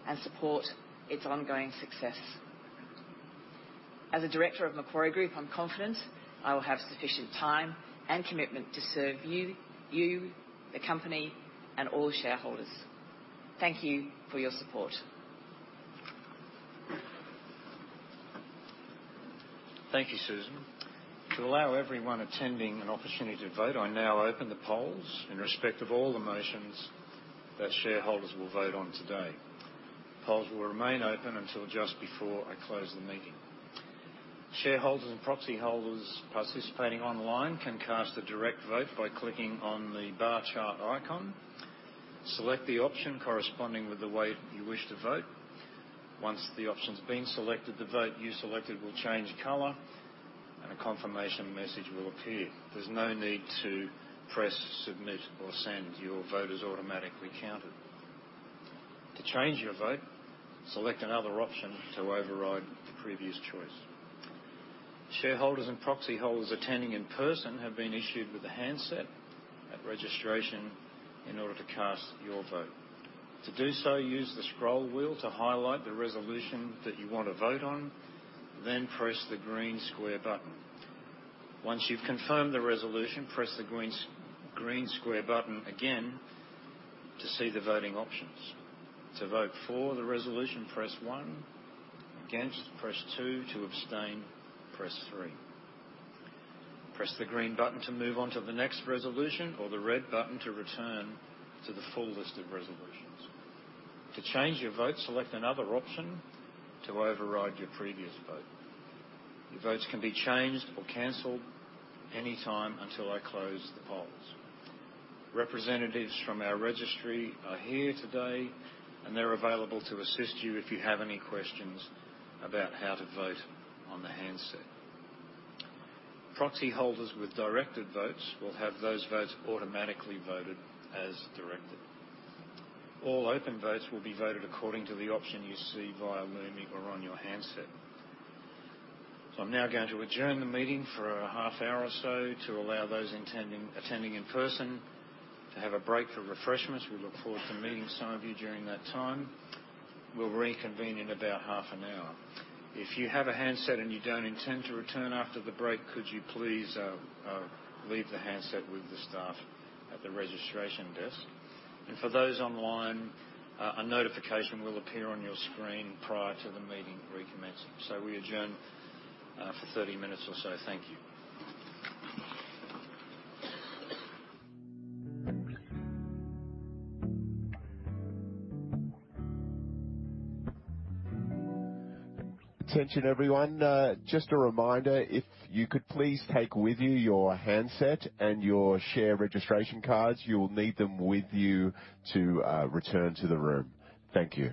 and support its ongoing success. As a director of Macquarie Group, I'm confident I will have sufficient time and commitment to serve you, the company, and all shareholders. Thank you for your support. Thank you, Susan. To allow everyone attending an opportunity to vote, I now open the polls in respect of all the motions that shareholders will vote on today. Polls will remain open until just before I close the meeting. Shareholders and proxy holders participating online can cast a direct vote by clicking on the bar chart icon. Select the option corresponding with the way you wish to vote. Once the option's been selected, the vote you selected will change color, and a confirmation message will appear. There's no need to press, submit, or send. Your vote is automatically counted. To change your vote, select another option to override the previous choice. Shareholders and proxy holders attending in person have been issued with a handset at registration in order to cast your vote. To do so, use the scroll wheel to highlight the resolution that you want to vote on, then press the green square button. Once you've confirmed the resolution, press the green square button again to see the voting options. To vote for the resolution, press 1. Against, press 2. To abstain, press 3. Press the green button to move on to the next resolution or the red button to return to the full list of resolutions. To change your vote, select another option to override your previous vote. Your votes can be changed or canceled anytime until I close the polls. Representatives from our registry are here today, and they're available to assist you if you have any questions about how to vote on the handset. Proxy holders with directed votes will have those votes automatically voted as directed. All open votes will be voted according to the option you see via looming or on your handset. I'm now going to adjourn the meeting for a half hour or so to allow those attending in person to have a break for refreshments. We look forward to meeting some of you during that time. We'll reconvene in about half an hour. If you have a handset and you don't intend to return after the break, could you please leave the handset with the staff at the registration desk? For those online, a notification will appear on your screen prior to the meeting recommencing. We adjourn for 30 minutes or so. Thank you. Attention, everyone. Just a reminder, if you could please take with you your handset and your share registration cards, you will need them with you to return to the room. Thank you.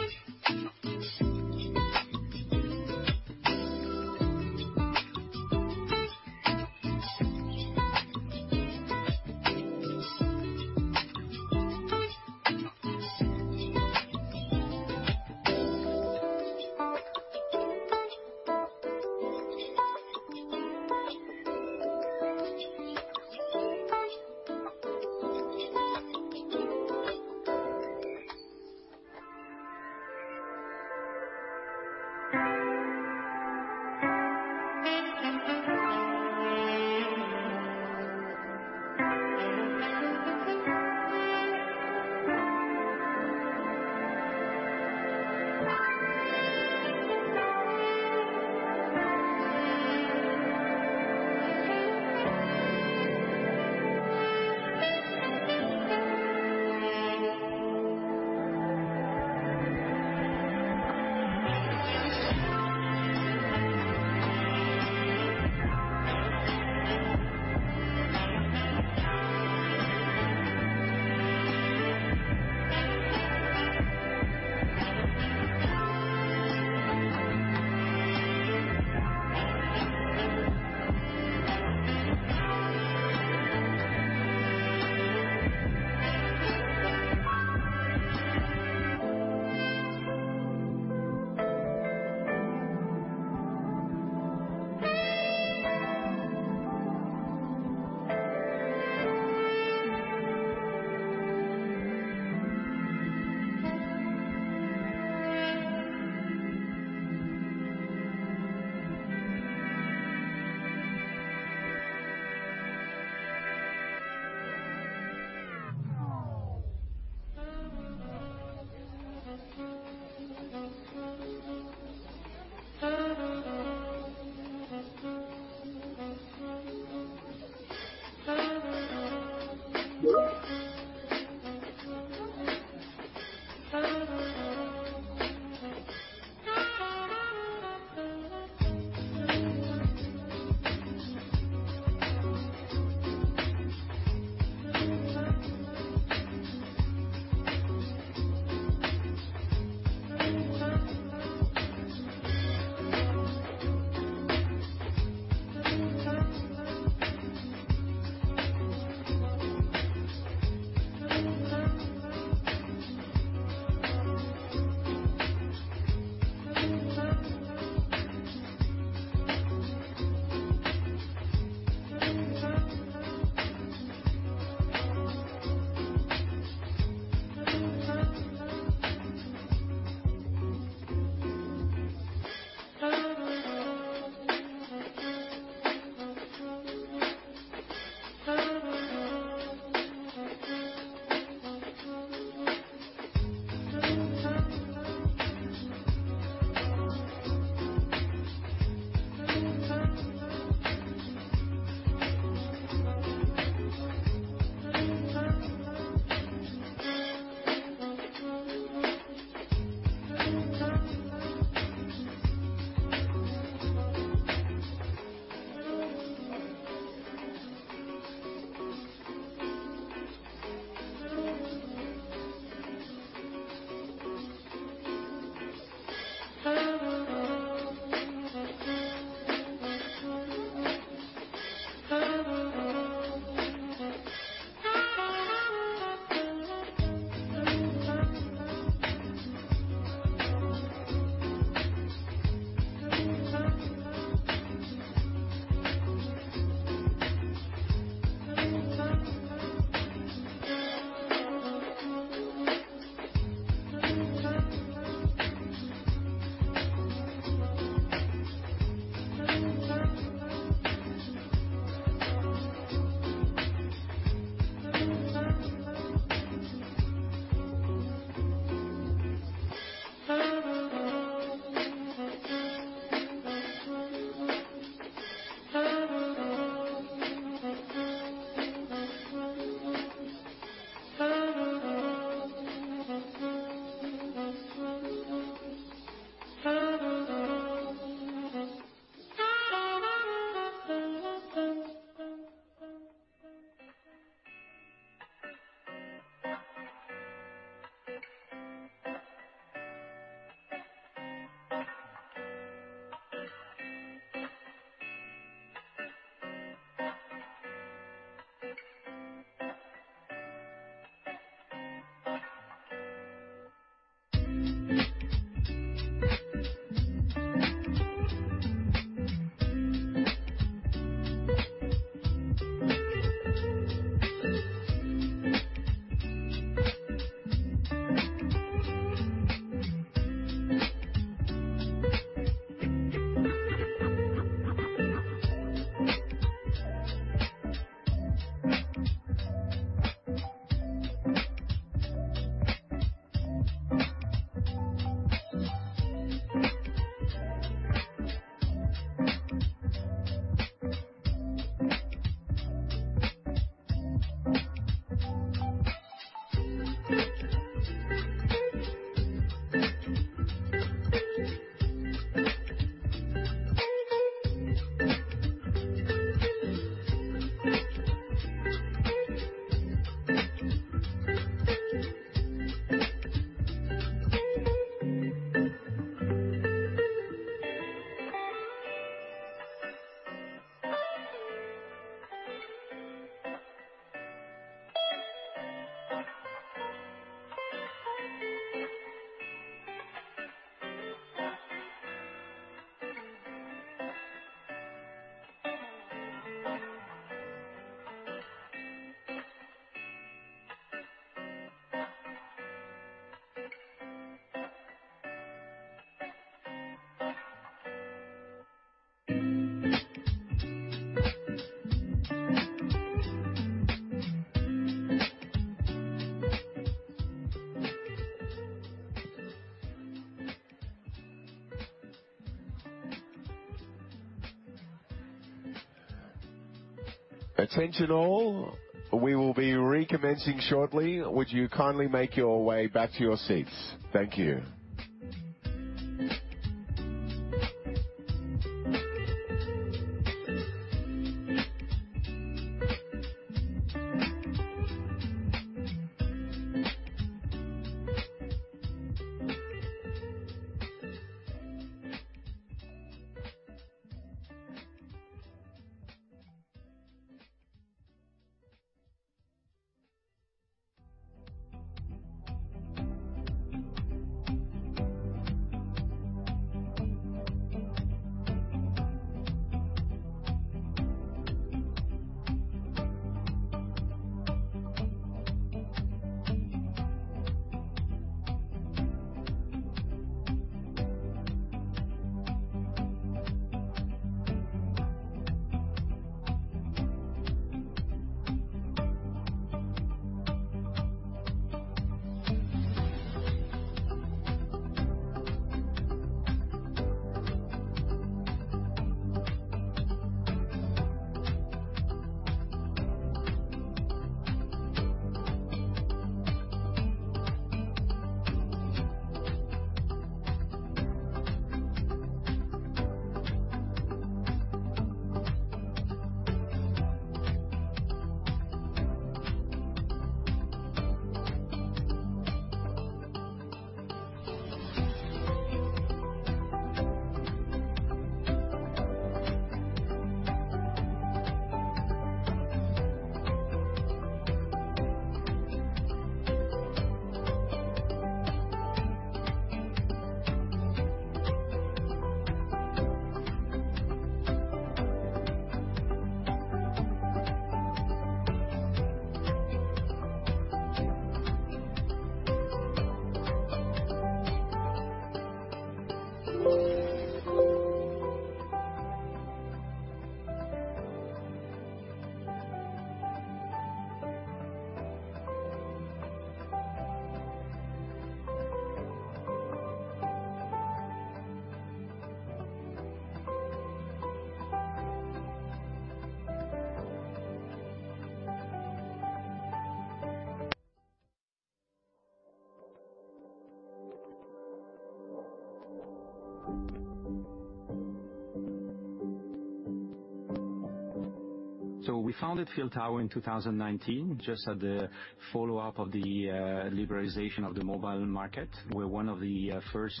We founded PhilTower in 2019, just at the follow-up of the liberalization of the mobile market. We're one of the first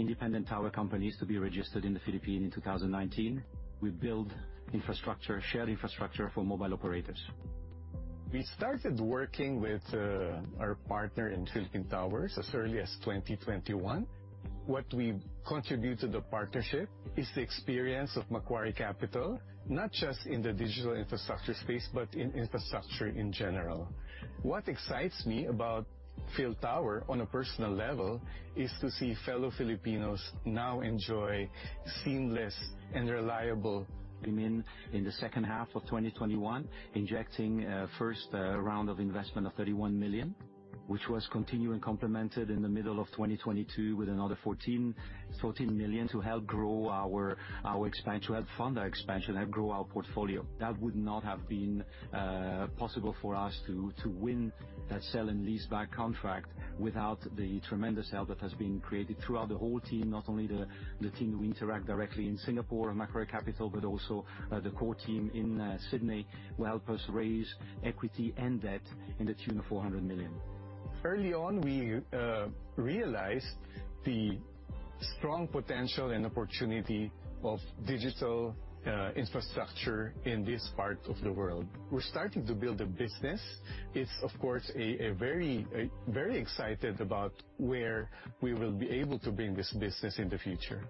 independent tower companies to be registered in the Philippines in 2019. We build infrastructure, shared infrastructure for mobile operators. We started working with our partner in Philippine Towers as early as 2021. What we contribute to the partnership is the experience of Macquarie Capital, not just in the digital infrastructure space, but in infrastructure in general. What excites me about PhilTower on a personal level, is to see fellow Filipinos now enjoy seamless and reliable- We came in in the second half of 2021, injecting a first round of investment of 31 million, which was continued and complemented in the middle of 2022 with another 14 million to help fund our expansion and grow our portfolio. That would not have been possible for us to win that sell and leaseback contract without the tremendous help that has been created throughout the whole team, not only the team who interact directly in Singapore and Macquarie Capital, but also the core team in Sydney, who helped us raise equity and debt in the tune of 400 million. Early on, we realized the strong potential and opportunity of digital infrastructure in this part of the world. We're starting to build a business. It's of course, a very excited about where we will be able to bring this business in the future.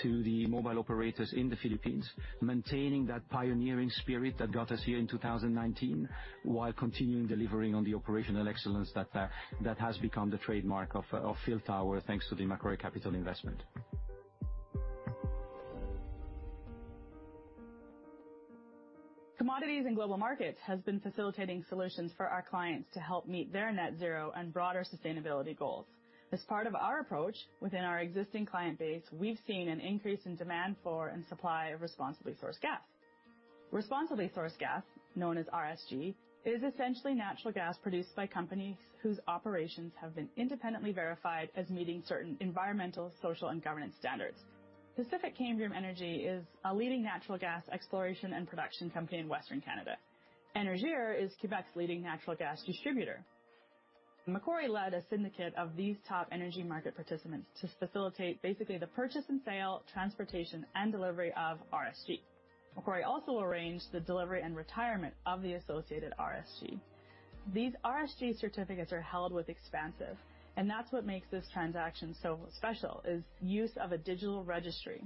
To the mobile operators in the Philippines, maintaining that pioneering spirit that got us here in 2019, while continuing delivering on the operational excellence that has become the trademark of PhilTower, thanks to the Macquarie Capital investment. Commodities and Global Markets has been facilitating solutions for our clients to help meet their net zero and broader sustainability goals. As part of our approach within our existing client base, we've seen an increase in demand for and supply of responsibly sourced gas. Responsibly sourced gas, known as RSG, is essentially natural gas produced by companies whose operations have been independently verified as meeting certain environmental, social, and governance standards. Pacific Canbriam Energy is a leading natural gas exploration and production company in Western Canada. Énergir is Quebec's leading natural gas distributor. Macquarie led a syndicate of these top energy market participants to facilitate basically the purchase and sale, transportation, and delivery of RSG. Macquarie also arranged the delivery and retirement of the associated RSG. These RSG certificates are held with expansive. That's what makes this transaction so special, is use of a digital registry.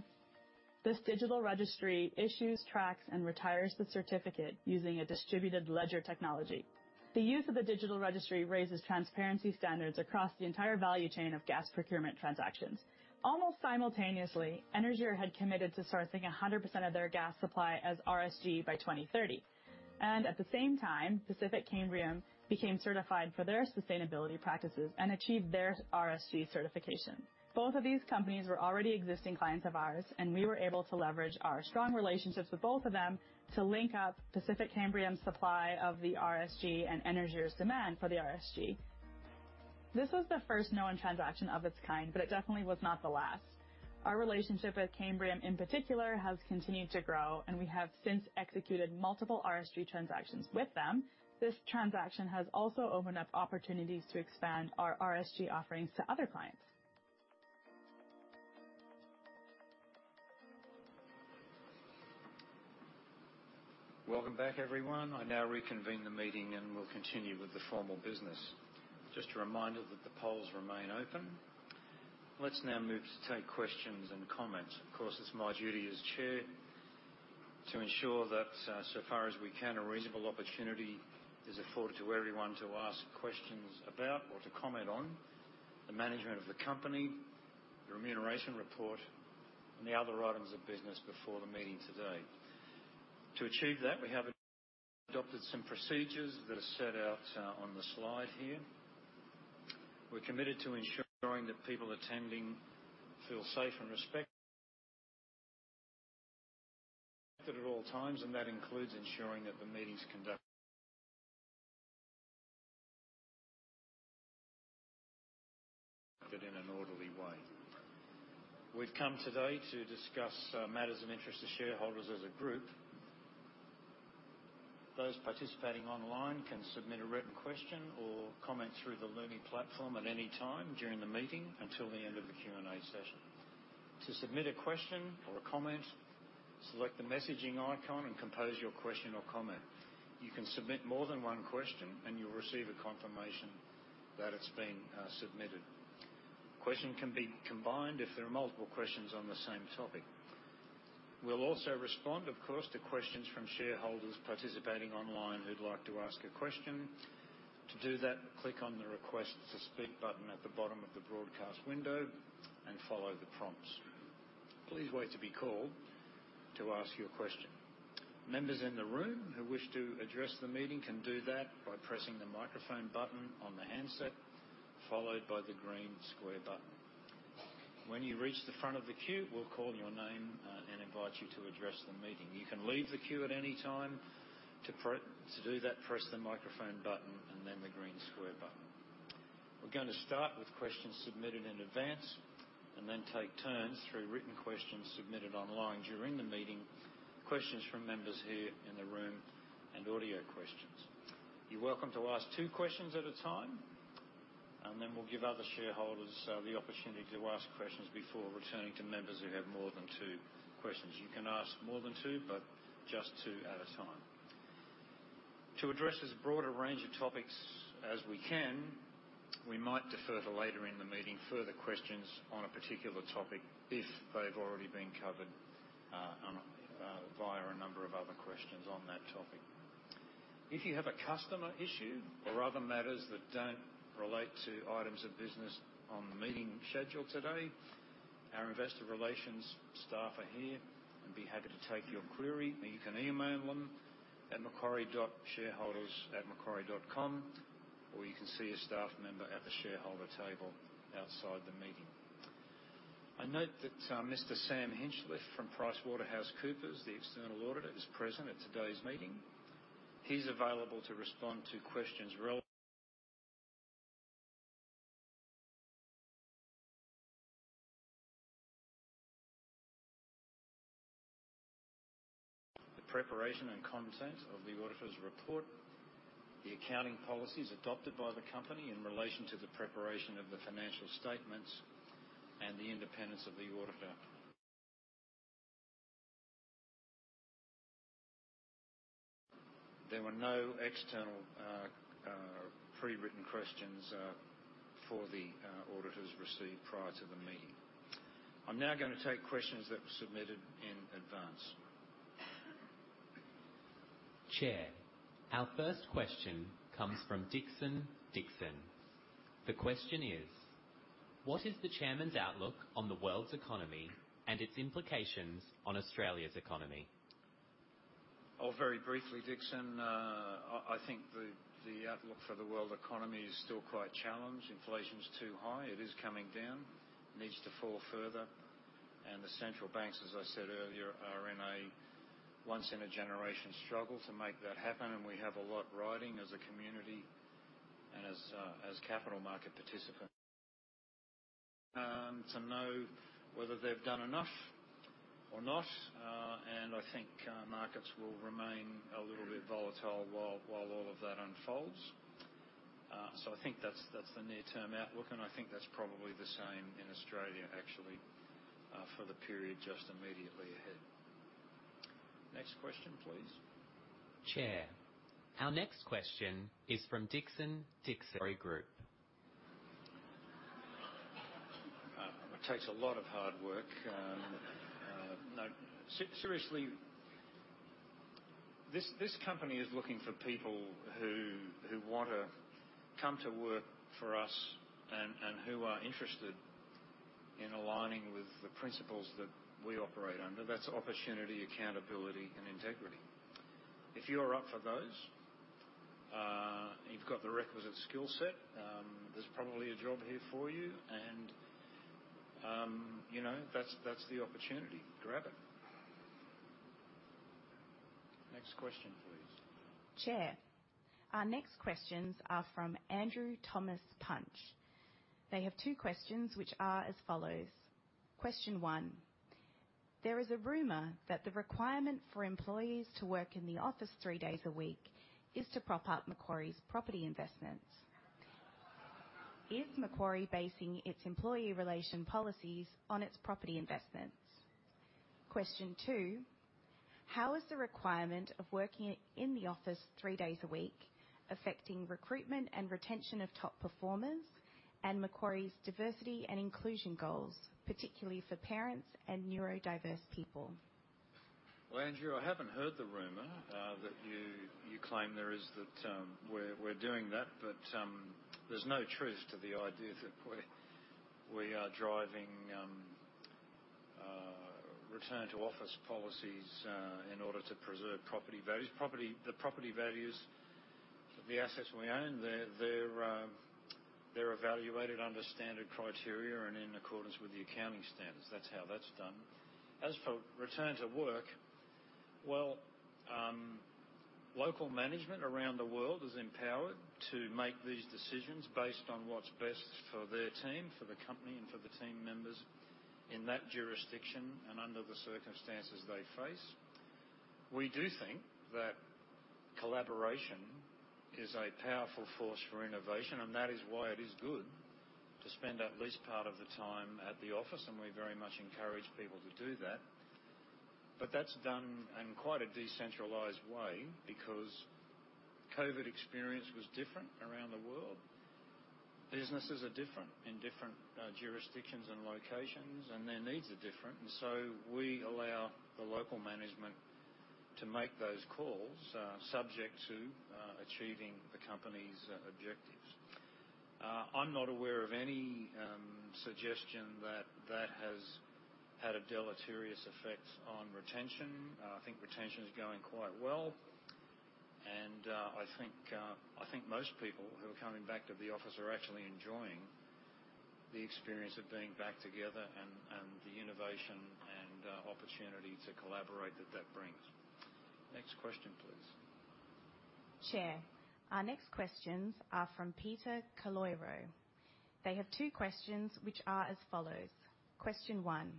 This digital registry issues, tracks, and retires the certificate using a distributed ledger technology. The use of the digital registry raises transparency standards across the entire value chain of gas procurement transactions. Almost simultaneously, Énergir had committed to sourcing 100% of their gas supply as RSG by 2030. At the same time, Pacific Canbriam became certified for their sustainability practices and achieved their RSG certification. Both of these companies were already existing clients of ours. We were able to leverage our strong relationships with both of them to link up Pacific Canbriam supply of the RSG and Énergir's demand for the RSG. This was the first known transaction of its kind. It definitely was not the last. Our relationship with Cambrian in particular, has continued to grow. We have since executed multiple RSG transactions with them. This transaction has also opened up opportunities to expand our RSG offerings to other clients. Welcome back, everyone. I now reconvene the meeting. We'll continue with the formal business. Just a reminder that the polls remain open. Let's now move to take questions and comments. Of course, it's my duty as chair to ensure that, so far as we can, a reasonable opportunity is afforded to everyone to ask questions about or to comment on the management of the company, the remuneration report and the other items of business before the meeting today. To achieve that, we have adopted some procedures that are set out on the slide here. We're committed to ensuring that people attending feel safe and respected at all times. That includes ensuring that the meeting is conducted in an orderly way. We've come today to discuss matters of interest to shareholders as a group. Those participating online can submit a written question or comment through the learning platform at any time during the meeting until the end of the Q&A session. To submit a question or a comment, select the messaging icon and compose your question or comment. You can submit more than one question, and you'll receive a confirmation that it's been submitted. Question can be combined if there are multiple questions on the same topic. We'll also respond, of course, to questions from shareholders participating online who'd like to ask a question. To do that, click on the Request to Speak button at the bottom of the broadcast window and follow the prompts. Please wait to be called to ask your question. Members in the room who wish to address the meeting can do that by pressing the microphone button on the handset, followed by the green square button. When you reach the front of the queue, we'll call your name, and invite you to address the meeting. You can leave the queue at any time. To do that, press the microphone button and then the green square button. We're going to start with questions submitted in advance and then take turns through written questions submitted online during the meeting, questions from members here in the room, and audio questions. You're welcome to ask 2 questions at a time, and then we'll give other shareholders the opportunity to ask questions before returning to members who have more than 2 questions. You can ask more than 2, but just 2 at a time. To address as broad a range of topics as we can, we might defer to later in the meeting further questions on a particular topic if they've already been covered on a via a number of other questions on that topic. If you have a customer issue or other matters that don't relate to items of business on the meeting schedule today, our investor relations staff are here and be happy to take your query, or you can email them at Macquarie.shareholders@macquarie.com, or you can see a staff member at the shareholder table outside the meeting. I note that Mr. Sam Hinchliffe from PricewaterhouseCoopers, the external auditor, is present at today's meeting. He's available to respond to questions relevant... The preparation and content of the auditor's report, the accounting policies adopted by the company in relation to the preparation of the financial statements, and the independence of the auditor. There were no external pre-written questions for the auditors received prior to the meeting. I'm now gonna take questions that were submitted in advance. Chair, our first question comes from Dixon Dickson. The question is: What is the chairman's outlook on the world's economy and its implications on Australia's economy? Very briefly, Dixon, I think the outlook for the world economy is still quite challenged. Inflation is too high. It is coming down. It needs to fall further, and the central banks, as I said earlier, are in a once-in-a-generation struggle to make that happen, and we have a lot riding as a community and as capital market participants to know whether they've done enough or not. I think markets will remain a little bit volatile while all of that unfolds. I think that's the near-term outlook, and I think that's probably the same in Australia, actually, for the period just immediately ahead. Next question, please. Chair, our next question is from Dixon Dickson Group. It takes a lot of hard work. No, seriously, this company is looking for people who want to come to work for us and who are interested in aligning with the principles that we operate under. That's opportunity, accountability, and integrity. If you're up for those, you've got the requisite skill set, there's probably a job here for you, and, you know, that's the opportunity. Grab it. Next question, please. Chair, our next questions are from Andrew Thomas Punch. They have two questions, which are as follows. Question one: There is a rumor that the requirement for employees to work in the office 3 days a week is to prop up Macquarie's property investments. Is Macquarie basing its employee relation policies on its property investments? Question two: How is the requirement of working in the office 3 days a week affecting recruitment and retention of top performers and Macquarie's diversity and inclusion goals, particularly for parents and neurodiverse people? Well, Andrew, I haven't heard the rumor that you claim there is that we're doing that, there's no truth to the idea that we are driving return to office policies in order to preserve property values. The property values of the assets we own, they're evaluated under standard criteria and in accordance with the accounting standards. That's how that's done. As for return to work, well, local management around the world is empowered to make these decisions based on what's best for their team, for the company, and for the team members in that jurisdiction and under the circumstances they face. We do think that collaboration is a powerful force for innovation, and that is why it is good to spend at least part of the time at the office, and we very much encourage people to do that. That's done in quite a decentralized way because COVID experience was different around the world. Businesses are different in different jurisdictions and locations, and their needs are different, and so we allow the local management to make those calls, subject to achieving the company's objectives. I'm not aware of any suggestion that that has had a deleterious effect on retention. I think retention is going quite well, and I think most people who are coming back to the office are actually enjoying the experience of being back together and the innovation and opportunity to collaborate that brings. Next question, please. Chair, our next questions are from Peter Caloyero. They have 2 questions, which are as follows. Question one: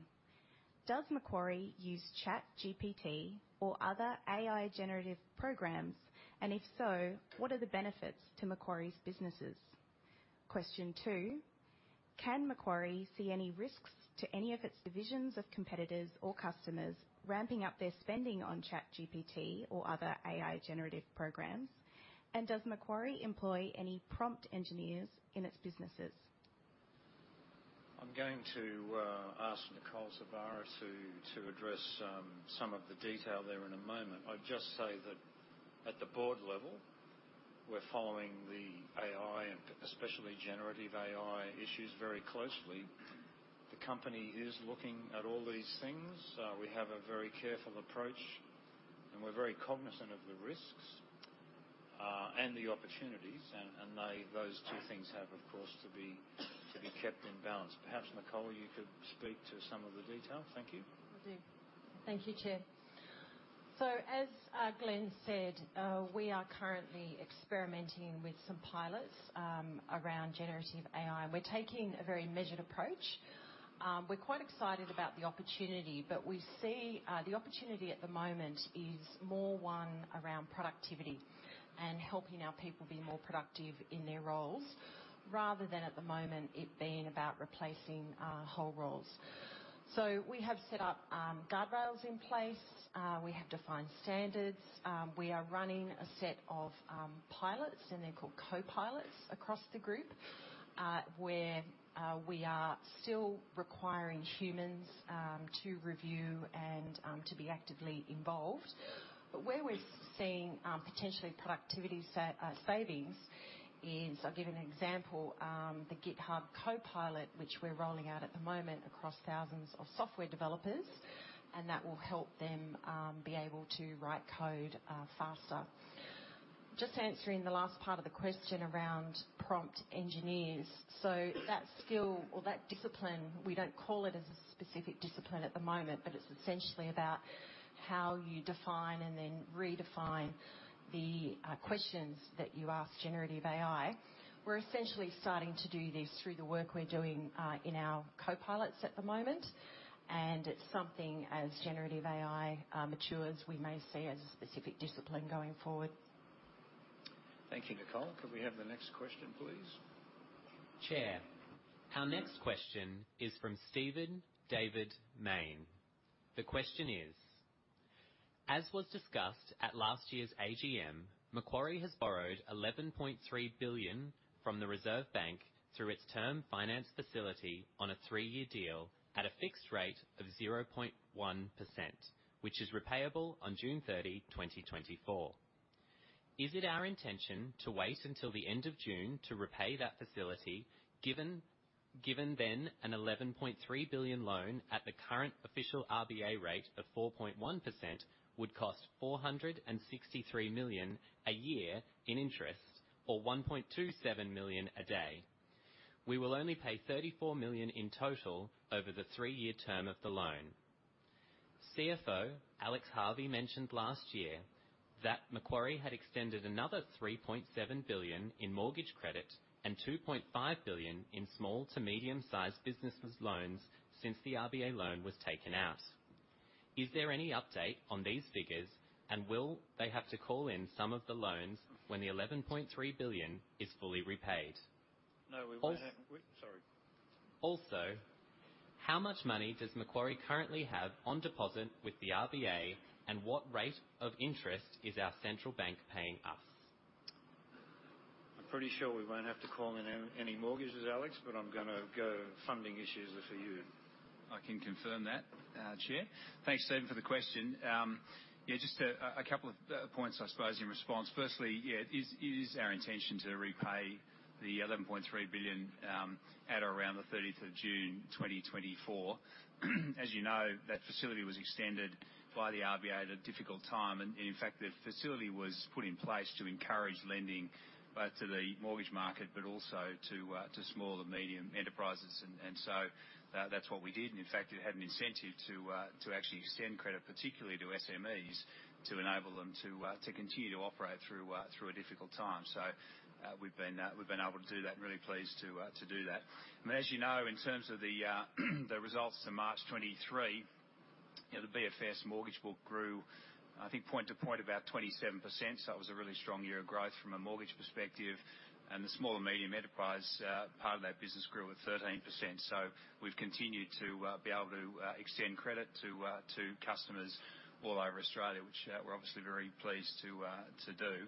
Does Macquarie use ChatGPT or other AI generative programs, and if so, what are the benefits to Macquarie's businesses? Question two: Can Macquarie see any risks to any of its divisions of competitors or customers ramping up their spending on ChatGPT or other AI generative programs? Does Macquarie employ any prompt engineers in its businesses? I'm going to ask Nicole Sorbara to address some of the detail there in a moment. I'd just say that at the board level, we're following the AI, and especially generative AI, issues very closely. The company is looking at all these things. We have a very careful approach, and we're very cognizant of the risks, and the opportunities, and those two things have, of course, to be kept in balance. Perhaps, Nicole, you could speak to some of the details. Thank you. Will do. Thank you, Chair. As Glenn said, we are currently experimenting with some pilots around generative AI, and we're taking a very measured approach. We're quite excited about the opportunity, but we see the opportunity at the moment is more one around productivity and helping our people be more productive in their roles, rather than at the moment it being about replacing whole roles. We have set up guardrails in place. We have defined standards. We are running a set of pilots, and they're called co-pilots, across the Group, where we are still requiring humans to review and to be actively involved. But where we're seeing potentially productivity savings is... I'll give you an example, the GitHub Copilot, which we're rolling out at the moment across thousands of software developers, that will help them be able to write code faster. Just answering the last part of the question around prompt engineers. That skill or that discipline, we don't call it as a specific discipline at the moment, but it's essentially about how you define and then redefine the questions that you ask generative AI. We're essentially starting to do this through the work we're doing in our co-pilots at the moment, it's something as generative AI matures, we may see as a specific discipline going forward. Thank you, Nicole. Could we have the next question, please? Chair, our next question is from Stephen Mayne. The question is: As was discussed at last year's AGM, Macquarie has borrowed AUD 11.3 billion from the Reserve Bank through its Term Funding Facility on a three-year deal at a fixed rate of 0.1%, which is repayable on June 30, 2024. Is it our intention to wait until the end of June to repay that facility, given then an 11.3 billion loan at the current official RBA rate of 4.1% would cost 463 million a year in interest, or 1.27 million a day? We will only pay 34 million in total over the three-year term of the loan. CFO Alex Harvey mentioned last year that Macquarie had extended another 3.7 billion in mortgage credit and 2.5 billion in small to medium-sized businesses loans since the RBA loan was taken out. Is there any update on these figures, and will they have to call in some of the loans when the 11.3 billion is fully repaid? No, we won't. Sorry. How much money does Macquarie currently have on deposit with the RBA, and what rate of interest is our central bank paying us? I'm pretty sure we won't have to call in any mortgages, Alex, but I'm gonna go funding issues are for you. I can confirm that, Chair. Thanks, Stephen, for the question. Yeah, just a couple of points, I suppose, in response. Firstly, yeah, it is our intention to repay the 11.3 billion at around the 30th of June, 2024. As you know, that facility was extended by the RBA at a difficult time. In fact, the facility was put in place to encourage lending, both to the mortgage market, but also to small and medium enterprises. That's what we did, and in fact, it had an incentive to actually extend credit, particularly to SMEs, to enable them to continue to operate through a difficult time. We've been able to do that, and really pleased to do that. I mean, as you know, in terms of the results to March 2023, you know, the BFS mortgage book grew, I think, point to point about 27%. That was a really strong year of growth from a mortgage perspective. The small and medium enterprise part of that business grew at 13%. We've continued to be able to extend credit to customers all over Australia, which we're obviously very pleased to do.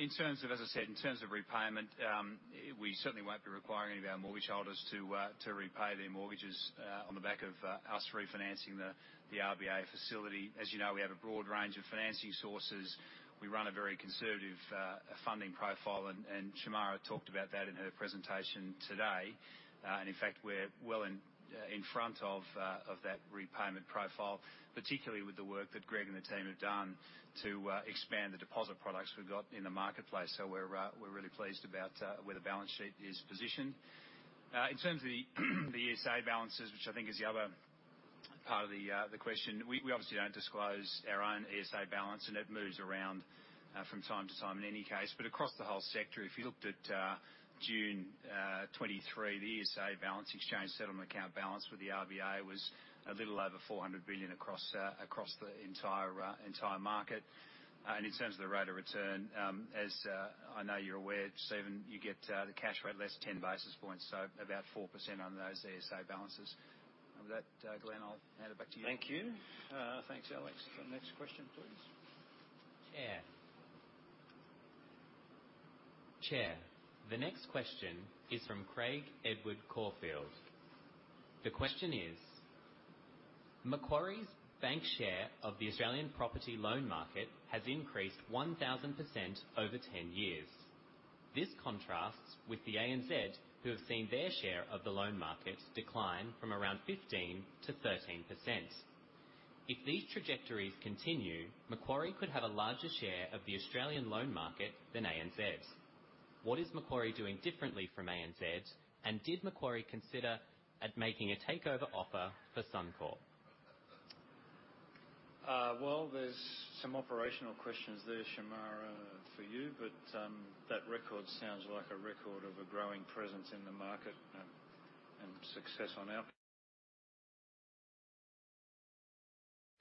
In terms of, as I said, in terms of repayment, we certainly won't be requiring any of our mortgage holders to repay their mortgages on the back of us refinancing the RBA facility. As you know, we have a broad range of financing sources. We run a very conservative funding profile, and Shemara talked about that in her presentation today. In fact, we're well in front of that repayment profile, particularly with the work that Greg and the team have done to expand the deposit products we've got in the marketplace. We're really pleased about where the balance sheet is positioned. In terms of the ESA balances, which I think is the other part of the question, we obviously don't disclose our own ESA balance, and it moves around from time to time in any case. Across the whole sector, if you looked at June 23, the ESA balance, Exchange Settlement Account balance with the RBA was a little over 400 billion across the entire market. In terms of the rate of return, as I know you're aware, Stephen, you get the cash rate less 10 basis points, so about 4% on those ESA balances. With that, Glenn, I'll hand it back to you. Thank you. Thanks, Alex. The next question, please. The next question is from Craig Edward Corfield. The question is: Macquarie's bank share of the Australian property loan market has increased 1,000% over 10 years. This contrasts with ANZ, who have seen their share of the loan market decline from around 15 to 13%. If these trajectories continue, Macquarie could have a larger share of the Australian loan market than ANZ's. What is Macquarie doing differently from ANZ, and did Macquarie consider at making a takeover offer for Suncorp? Well, there's some operational questions there, Shemara, for you, but that record sounds like a record of a growing presence in the market, and success on our...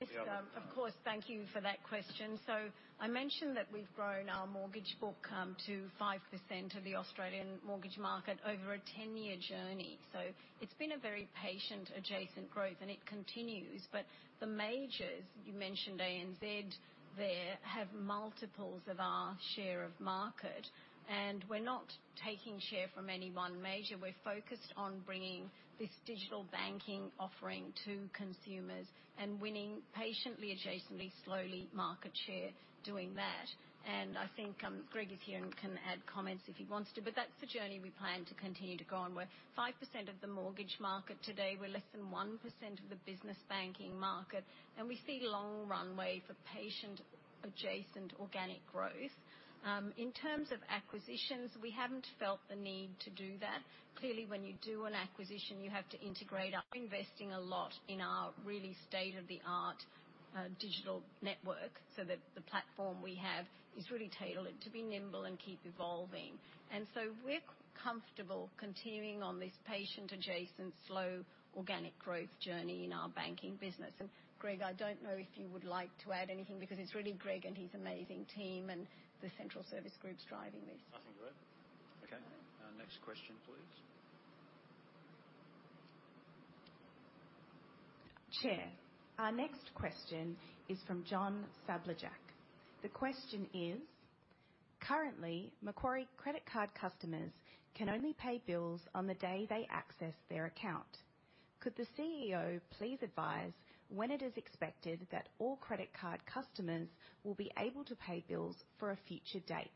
Yes, of course, thank you for that question. I mentioned that we've grown our mortgage book to 5% of the Australian mortgage market over a 10-year journey. It's been a very patient, adjacent growth, and it continues. The majors, you mentioned ANZ there, have multiples of our share of market, and we're not taking share from any one major. We're focused on bringing this digital banking offering to consumers and winning patiently, adjacently, slowly, market share doing that. And I think, Greg is here and can add comments if he wants to, but that's the journey we plan to continue to go on. We're 5% of the mortgage market today. We're less than 1% of the business banking market, and we see long runway for patient, adjacent, organic growth. In terms of acquisitions, we haven't felt the need to do that. Clearly, when you do an acquisition, you have to integrate. Are investing a lot in our really state-of-the-art digital network, so that the platform we have is really tailored to be nimble and keep evolving. We're comfortable continuing on this patient, adjacent, slow, organic growth journey in our banking business. Greg, I don't know if you would like to add anything, because it's really Greg and his amazing team and the central service groups driving this. Nothing to add. Okay. Next question, please. Chair, our next question is from John Sabljak. The question is: Currently, Macquarie credit card customers can only pay bills on the day they access their account. Could the CEO please advise when it is expected that all credit card customers will be able to pay bills for a future date?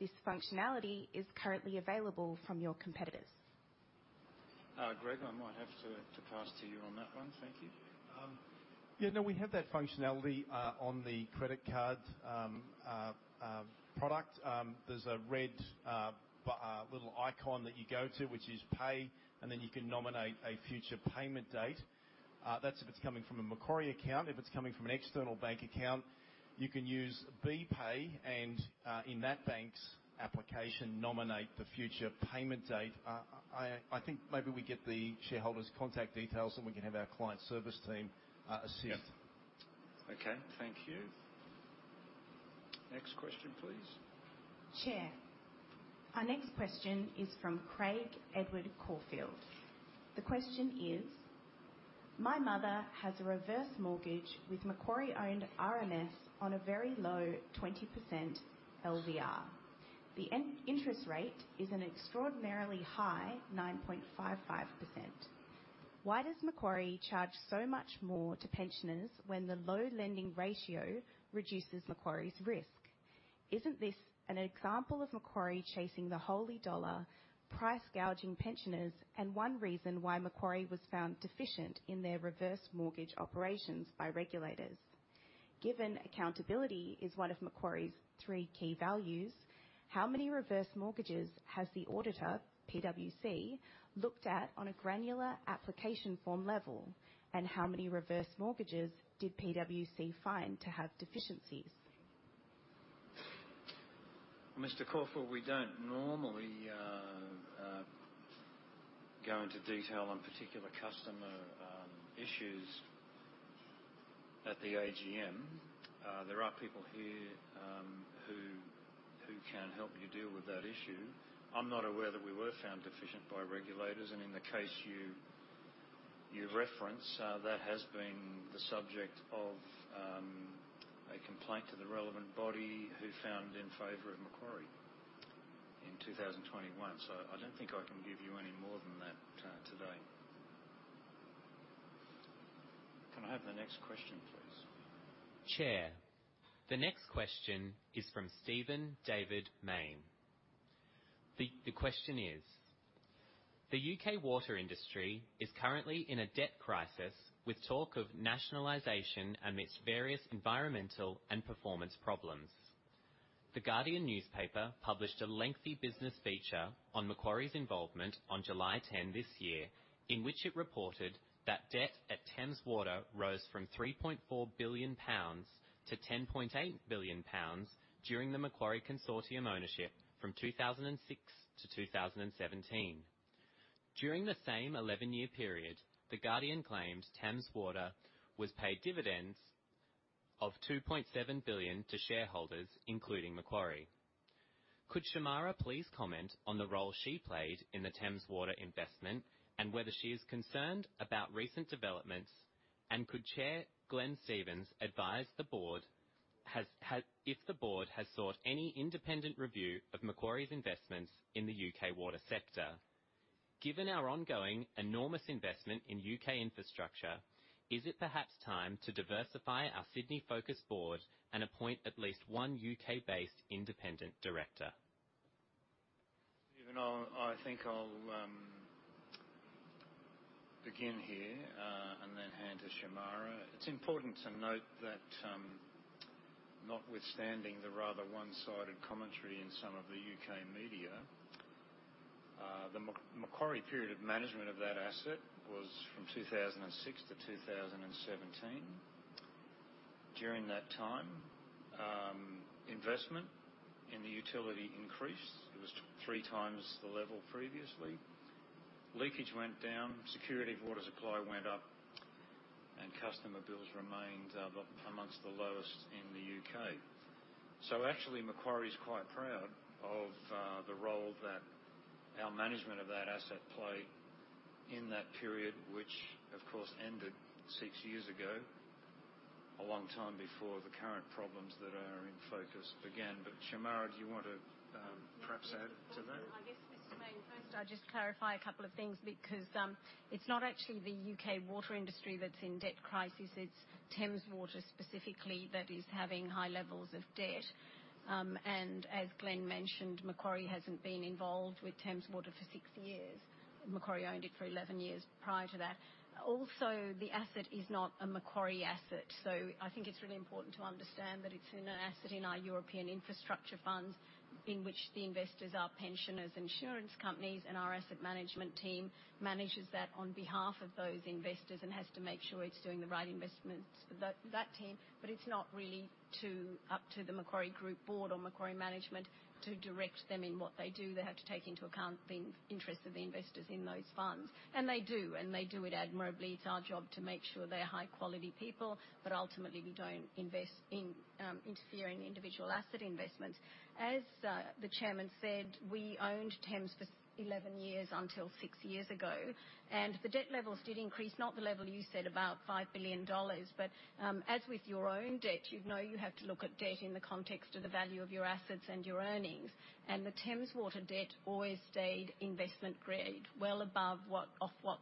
This functionality is currently available from your competitors. Greg, I might have to pass to you on that one. Thank you. Yeah, no, we have that functionality on the credit card product. There's a red little icon that you go to, which is Pay, and then you can nominate a future payment date. That's if it's coming from a Macquarie account. If it's coming from an external bank account, you can use BPAY and in that bank's application, nominate the future payment date. I think maybe we get the shareholder's contact details, and we can have our client service team assist. Yep. Okay, thank you. Next question, please. Chair, our next question is from Craig Edward Corfield. The question is- ...My mother has a reverse mortgage with Macquarie-owned RMS on a very low 20% LVR. The interest rate is an extraordinarily high 9.55%. Why does Macquarie charge so much more to pensioners when the low lending ratio reduces Macquarie's risk? Isn't this an example of Macquarie chasing the holy dollar, price gouging pensioners, and one reason why Macquarie was found deficient in their reverse mortgage operations by regulators? Given accountability is one of Macquarie's three key values, how many reverse mortgages has the auditor, PwC, looked at on a granular application form level? How many reverse mortgages did PwC find to have deficiencies? Mr. Corfield, we don't normally go into detail on particular customer issues at the AGM. There are people here who can help you deal with that issue. I'm not aware that we were found deficient by regulators, and in the case you reference, that has been the subject of a complaint to the relevant body, who found in favor of Macquarie in 2021. I don't think I can give you any more than that today. Can I have the next question, please? Chair, the next question is from Stephen Mayne. The question is: The U.K. water industry is currently in a debt crisis, with talk of nationalization amidst various environmental and performance problems. The Guardian newspaper published a lengthy business feature on Macquarie's involvement on July 10 this year, in which it reported that debt at Thames Water rose from 3.4 billion pounds to 10.8 billion pounds during the Macquarie consortium ownership from 2006 to 2017. During the same 11-year period, The Guardian claimed Thames Water was paid dividends of 2.7 billion to shareholders, including Macquarie. Could Shemara please comment on the role she played in the Thames Water investment and whether she is concerned about recent developments? Could Chair Glenn Stevens advise if the board has sought any independent review of Macquarie's investments in the UK water sector? Given our ongoing enormous investment in UK infrastructure, is it perhaps time to diversify our Sydney-focused board and appoint at least one UK-based independent director? Even though I think I'll begin here and then hand to Shemara. It's important to note that, notwithstanding the rather one-sided commentary in some of the UK media, the Macquarie period of management of that asset was from 2006 to 2017. During that time, investment in the utility increased. It was three times the level previously. Leakage went down, security of water supply went up, and customer bills remained amongst the lowest in the UK. Actually, Macquarie is quite proud of the role that our management of that asset played in that period, which of course ended six years ago, a long time before the current problems that are in focus again. Shemara, do you want to perhaps add to that? I guess, Mr. Mayne, first I'll just clarify a couple of things, because, it's not actually the UK water industry that's in debt crisis, it's Thames Water specifically, that is having high levels of debt. As Glenn mentioned, Macquarie hasn't been involved with Thames Water for 6 years. Macquarie owned it for 11 years prior to that. Also, the asset is not a Macquarie asset, so I think it's really important to understand that it's in an asset in our European infrastructure funds, in which the investors are pensioners, insurance companies, and our asset management team manages that on behalf of those investors and has to make sure it's doing the right investments. That team, but it's not really up to the Macquarie Group board or Macquarie management to direct them in what they do. They have to take into account the interests of the investors in those funds. They do, and they do it admirably. It's our job to make sure they're high-quality people, but ultimately we don't invest in interfering in individual asset investments. As the chairman said, we owned Thames for 11 years until six years ago, and the debt levels did increase. Not the level you said, about $5 billion, as with your own debt, you'd know you have to look at debt in the context of the value of your assets and your earnings. The Thames Water debt always stayed investment grade, well above what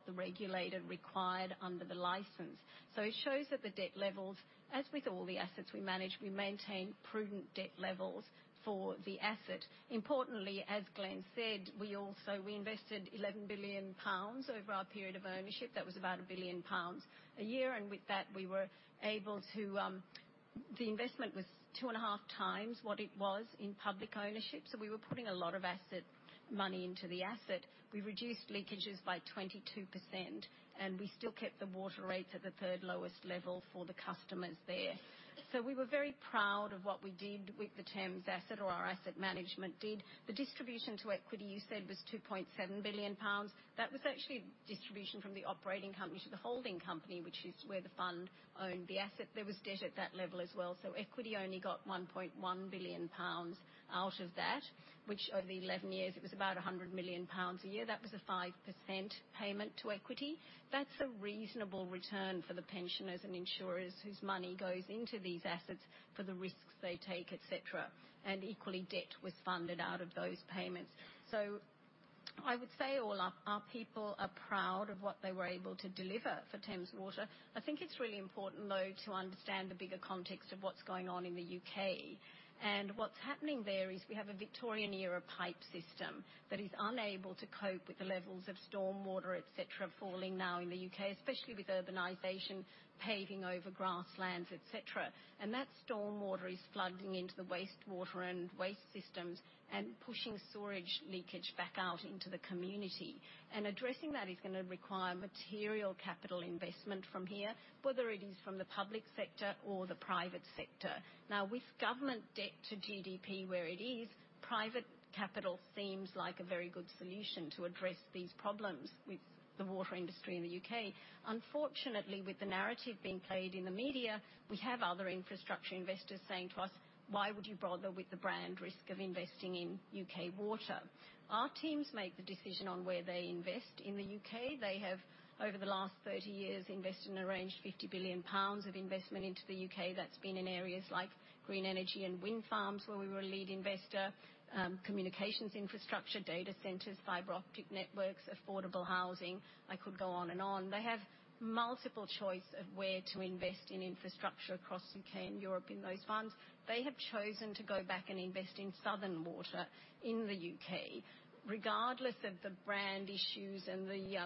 the regulator required under the license. It shows that the debt levels, as with all the assets we manage, we maintain prudent debt levels for the asset. Importantly, as Glenn said, we also, we invested 11 billion pounds over our period of ownership. That was about 1 billion pounds a year. With that, we were able to. The investment was 2.5x what it was in public ownership. We were putting a lot of asset money into the asset. We reduced leakages by 22%. We still kept the water rates at the third lowest level for the customers there. We were very proud of what we did with the Thames asset, or our asset management did. The distribution to equity, you said, was 2.7 billion pounds. That was actually distribution from the operating company to the holding company, which is where the fund owned the asset. There was debt at that level as well, so equity only got 1.1 billion pounds out of that, which over the 11 years, it was about 100 million pounds a year. That was a 5% payment to equity. That's a reasonable return for the pensioners and insurers whose money goes into these assets for the risks they take, et cetera. Equally, debt was funded out of those payments. I would say all our people are proud of what they were able to deliver for Thames Water. I think it's really important, though, to understand the bigger context of what's going on in the U.K. What's happening there is we have a Victorian-era pipe system that is unable to cope with the levels of storm water, et cetera, falling now in the U.K., especially with urbanization, paving over grasslands, et cetera. That storm water is flooding into the wastewater and waste systems and pushing sewerage leakage back out into the community. Addressing that is gonna require material capital investment from here, whether it is from the public sector or the private sector. With government debt to GDP where it is, private capital seems like a very good solution to address these problems with the water industry in the UK. Unfortunately, with the narrative being played in the media, we have other infrastructure investors saying to us, "Why would you bother with the brand risk of investing in UK water?" Our teams make the decision on where they invest in the UK. They have, over the last 30 years, invested and arranged 50 billion pounds of investment into the UK. That's been in areas like green energy and wind farms, where we were a lead investor, communications infrastructure, data centers, fiber optic networks, affordable housing. I could go on and on. They have multiple choice of where to invest in infrastructure across the UK and Europe in those funds. They have chosen to go back and invest in Southern Water in the UK, regardless of the brand issues and the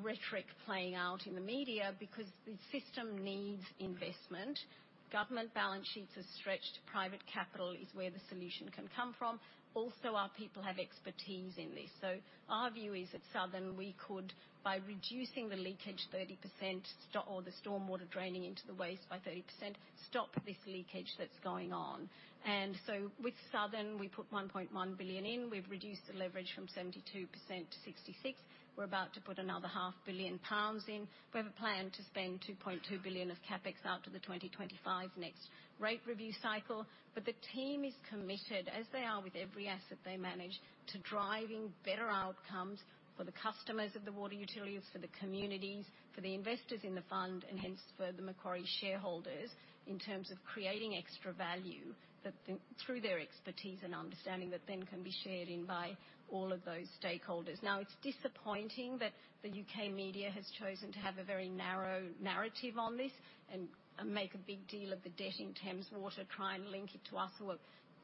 rhetoric playing out in the media. The system needs investment. Government balance sheets are stretched. Private capital is where the solution can come from. Our people have expertise in this. Our view is, at Southern, we could, by reducing the leakage 30% or the storm water draining into the waste by 30%, stop this leakage that's going on. With Southern, we put 1.1 billion in. We've reduced the leverage from 72 to 66%. We're about to put another half billion GBP in. We have a plan to spend 2.2 billion of CapEx out to the 2025 next rate review cycle. The team is committed, as they are with every asset they manage, to driving better outcomes for the customers of the water utilities, for the communities, for the investors in the fund, and hence for the Macquarie shareholders, in terms of creating extra value that through their expertise and understanding, that then can be shared in by all of those stakeholders. It's disappointing that the UK media has chosen to have a very narrow narrative on this and make a big deal of the debt in Thames Water, try and link it to us, who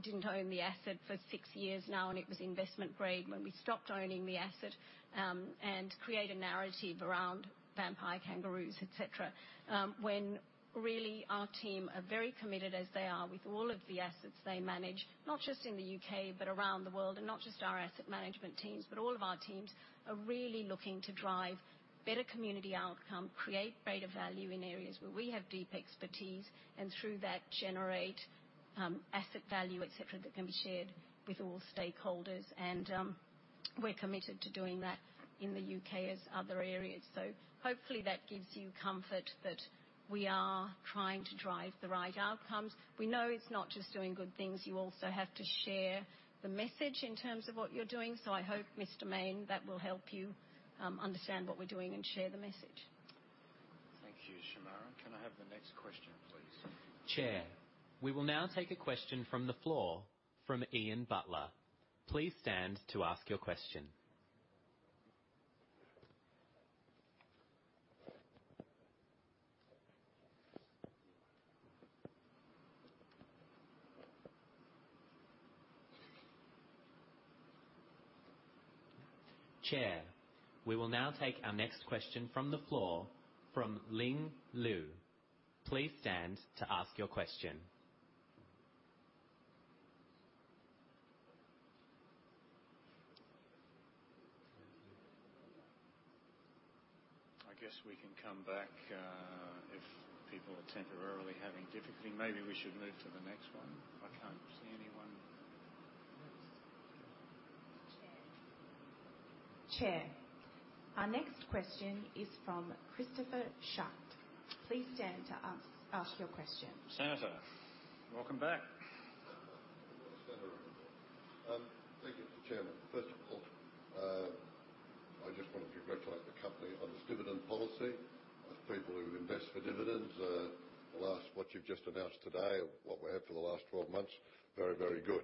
didn't own the asset for six years now, and it was investment grade when we stopped owning the asset. Create a narrative around vampire kangaroos, et cetera. When really, our team are very committed, as they are with all of the assets they manage, not just in the UK, but around the world. Not just our asset management teams, but all of our teams are really looking to drive better community outcome, create greater value in areas where we have deep expertise, and through that, generate asset value, et cetera, that can be shared with all stakeholders. We're committed to doing that in the UK as other areas. Hopefully that gives you comfort that we are trying to drive the right outcomes. We know it's not just doing good things. You also have to share the message in terms of what you're doing. I hope, Mr. Mayne, that will help you understand what we're doing and share the message. Thank you, Shemara. Can I have the next question, please? Chair, we will now take a question from the floor from Ian Butler. Please stand to ask your question. Chair, we will now take our next question from the floor from Ling Lu. Please stand to ask your question. I guess we can come back, if people are temporarily having difficulty. Maybe we should move to the next one. I can't see anyone. Chair, our next question is from Christopher Schacht. Please stand to ask your question. Senator, welcome back. Thank you, Mr. Chairman. I just want to congratulate the company on this dividend policy. As people who invest for dividends, what you've just announced today, of what we had for the last 12 months, very, very good.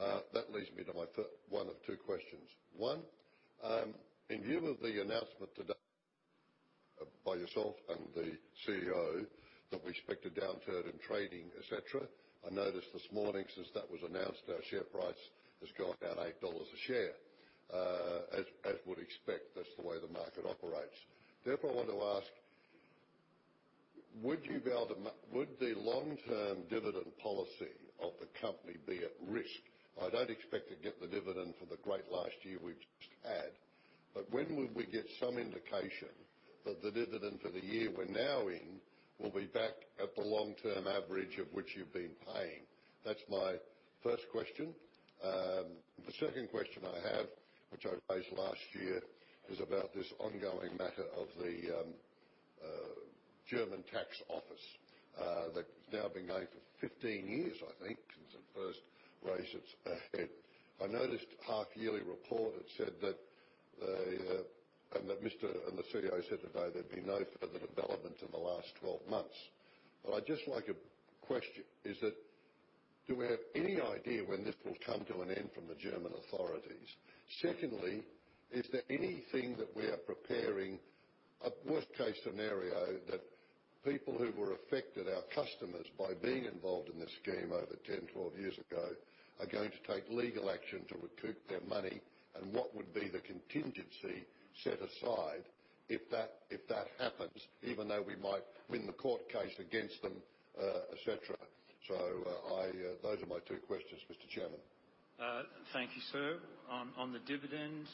That leads me to one of 2 questions. One, in lieu of the announcement today, by yourself and the CEO, that we expect a downturn in trading, et cetera, I noticed this morning, since that was announced, our share price has gone down 8 dollars a share. As we'd expect, that's the way the market operates. I want to ask, would the long-term dividend policy of the company be at risk? I don't expect to get the dividend for the great last year we've just had. When would we get some indication that the dividend for the year we're now in, will be back at the long-term average of which you've been paying? That's my first question. The second question I have, which I raised last year, is about this ongoing matter of the German tax office that's now been going for 15 years, I think, since it first raised its head. I noticed the half-yearly report, it said that the and that Mr. the CEO said today, there'd be no further development in the last 12 months. I'd just like to question, do we have any idea when this will come to an end from the German authorities? Secondly, is there anything that we are preparing, a worst case scenario, that people who were affected, our customers, by being involved in this scheme over 10, 12 years ago, are going to take legal action to recoup their money? What would be the contingency set aside if that, if that happens, even though we might win the court case against them, et cetera? I, those are my two questions, Mr. Chairman. Thank you, sir. On the dividend,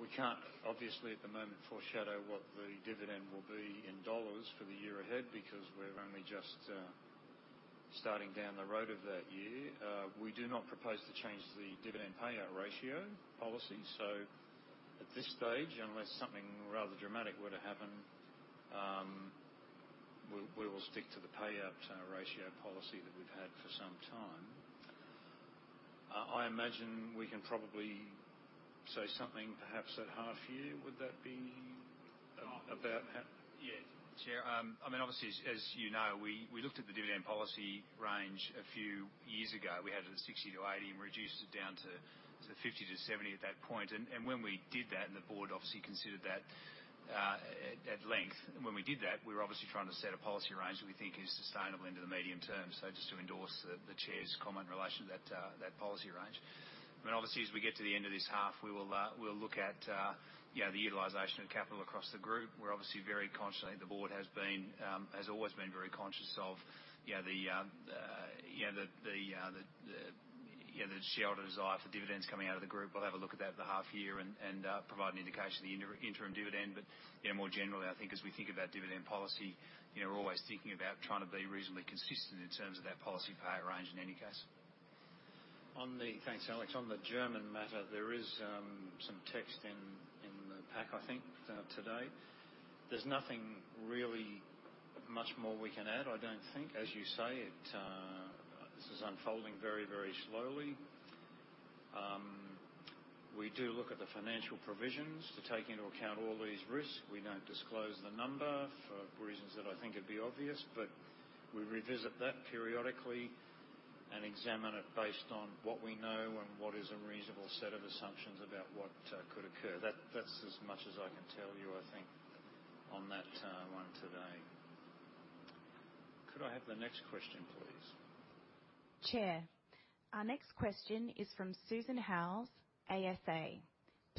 we can't obviously at the moment foreshadow what the dividend will be in AUD for the year ahead, because we're only just starting down the road of that year. We do not propose to change the dividend payout ratio policy. At this stage, unless something rather dramatic were to happen, we will stick to the payout ratio policy that we've had for some time. I imagine we can probably say something, perhaps at half year. Would that be about half? Yes, Chair. I mean, obviously, as you know, we looked at the dividend policy range a few years ago. We had it at 60 to 80% and reduced it down to 50 to 70% at that point. When we did that, and the board obviously considered that at length, when we did that, we were obviously trying to set a policy range that we think is sustainable into the medium term. Just to endorse the Chair's comment in relation to that policy range. I mean, obviously, as we get to the end of this half, we'll look at, you know, the utilization of capital across the group. We're obviously very conscious, and the board has always been very conscious of, you know, the shareholder desire for dividends coming out of the Group. We'll have a look at that at the half year and provide an indication of the inter-interim dividend. More generally, you know, I think as we think about dividend policy, you know, we're always thinking about trying to be reasonably consistent in terms of that policy payout range in any case. Thanks, Alex. On the German matter, there is some text in the pack, I think, today. There's nothing really much more we can add, I don't think. As you say, this is unfolding very, very slowly. We do look at the financial provisions to take into account all these risks. We don't disclose the number for reasons that I think would be obvious. We revisit that periodically and examine it based on what we know and what is a reasonable set of assumptions about what could occur. That's as much as I can tell you, I think, on that one today. Could I have the next question, please? Chair, our next question is from Sue Howes, ASA.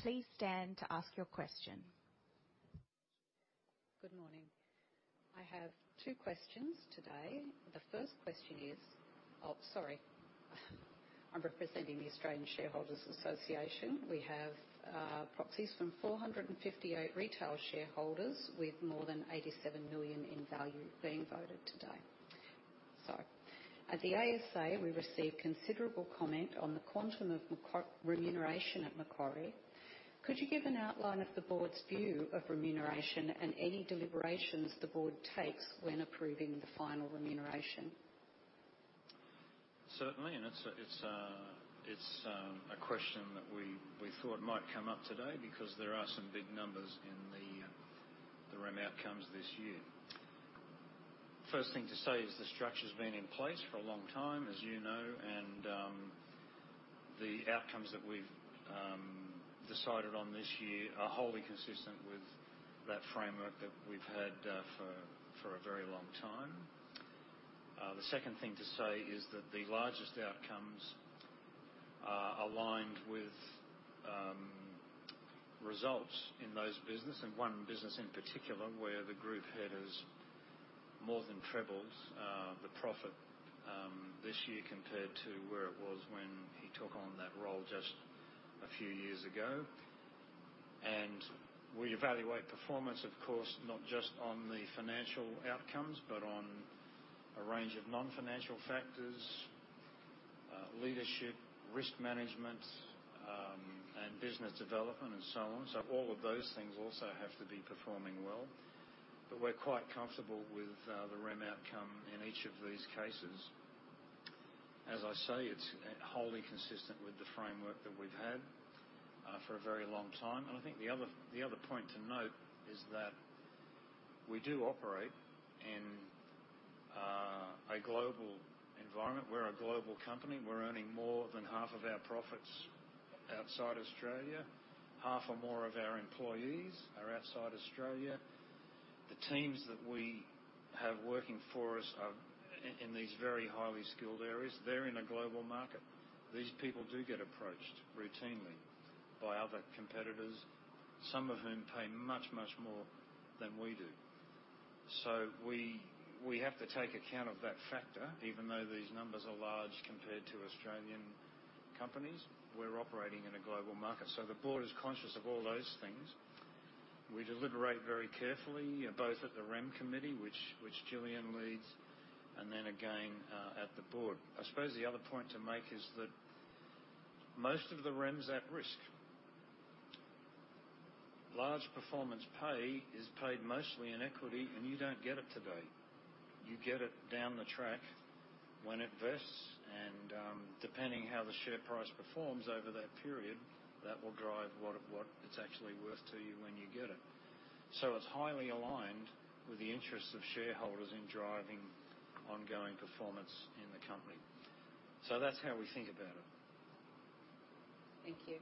Please stand to ask your question. Good morning. I have two questions today. The first question. Oh, sorry. I'm representing the Australian Shareholders' Association. We have proxies from 458 retail shareholders with more than 87 million in value being voted today. At the ASA, we received considerable comment on the quantum of remuneration at Macquarie. Could you give an outline of the board's view of remuneration and any deliberations the board takes when approving the final remuneration? Certainly, it's a question that we thought might come up today, because there are some big numbers in the rem outcomes this year. First thing to say is the structure's been in place for a long time, as you know, the outcomes that we've decided on this year are wholly consistent with that framework that we've had for a very long time. The second thing to say is that the largest outcomes are aligned with results in those business, and one business in particular, where the group head has more than trebled the profit this year compared to where it was when he took on that role just a few years ago. We evaluate performance, of course, not just on the financial outcomes, but on a range of non-financial factors, leadership, risk management, and business development, and so on. All of those things also have to be performing well, but we're quite comfortable with the rem outcome in each of these cases. As I say, it's wholly consistent with the framework that we've had for a very long time. I think the other point to note is that we do operate in a global environment. We're a global company. We're earning more than half of our profits outside Australia. Half or more of our employees are outside Australia. The teams that we have working for us are in these very highly skilled areas. They're in a global market. These people do get approached routinely by other competitors, some of whom pay much, much more than we do. We have to take account of that factor, even though these numbers are large compared to Australian companies, we're operating in a global market. The board is conscious of all those things. We deliberate very carefully, both at the rem committee, which Jillian leads, and then again, at the board. I suppose the other point to make is that most of the rem's at risk. Large performance pay is paid mostly in equity, and you don't get it today. You get it down the track when it vests, and, depending how the share price performs over that period, that will drive what it's actually worth to you when you get it. It's highly aligned with the interests of shareholders in driving ongoing performance in the company. That's how we think about it. Thank you.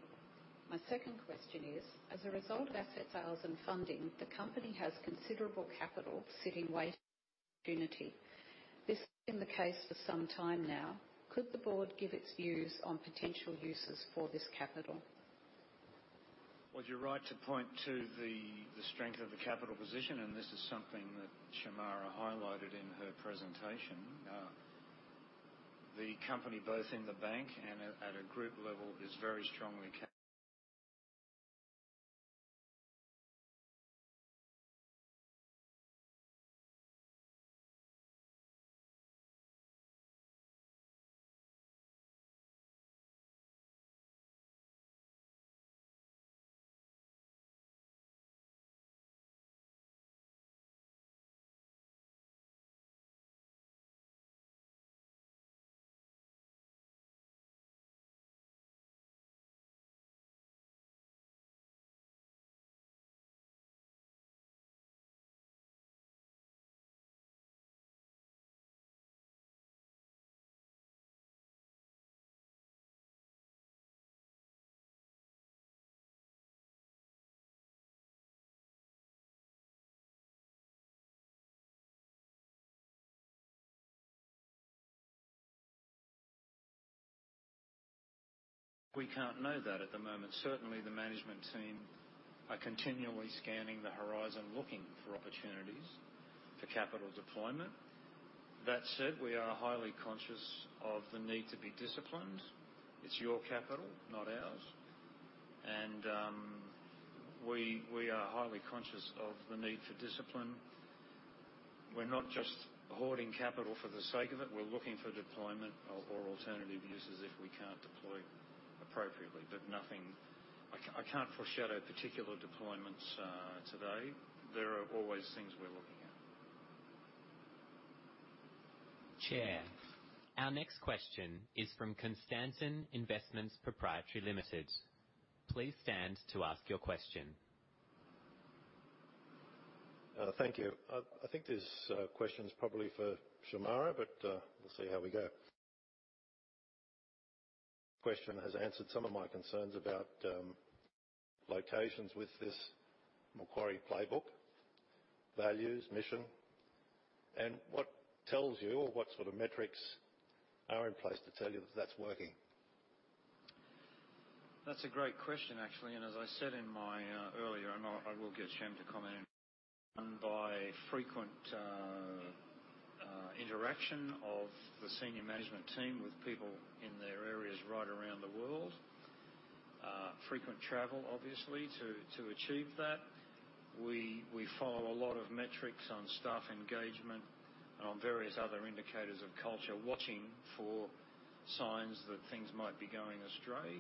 My second question is, as a result of asset sales and funding, the company has considerable capital sitting waiting opportunity. This has been the case for some time now. Could the board give its views on potential uses for this capital? Well, you're right to point to the strength of the capital position, and this is something that Shemara highlighted in her presentation. The company, both in the bank and at a group level, is very strongly. We can't know that at the moment. Certainly, the management team are continually scanning the horizon, looking for opportunities for capital deployment. That said, we are highly conscious of the need to be disciplined. It's your capital, not ours, and we are highly conscious of the need for discipline. We're not just hoarding capital for the sake of it. We're looking for deployment or alternative uses if we can't deploy appropriately. I can't foreshadow particular deployments today. There are always things we're looking at. Chair, our next question is from Constantine Investments Pty Limited. Please stand to ask your question. Thank you. I think this question is probably for Shemara, but we'll see how we go. Question has answered some of my concerns about locations with this Macquarie playbook, values, mission, and what tells you or what sort of metrics are in place to tell you that that's working? That's a great question, actually, and as I said in my earlier, I will give Shem to comment on by frequent interaction of the senior management team with people in their areas right around the world. Frequent travel, obviously, to achieve that. We follow a lot of metrics on staff engagement and on various other indicators of culture, watching for signs that things might be going astray.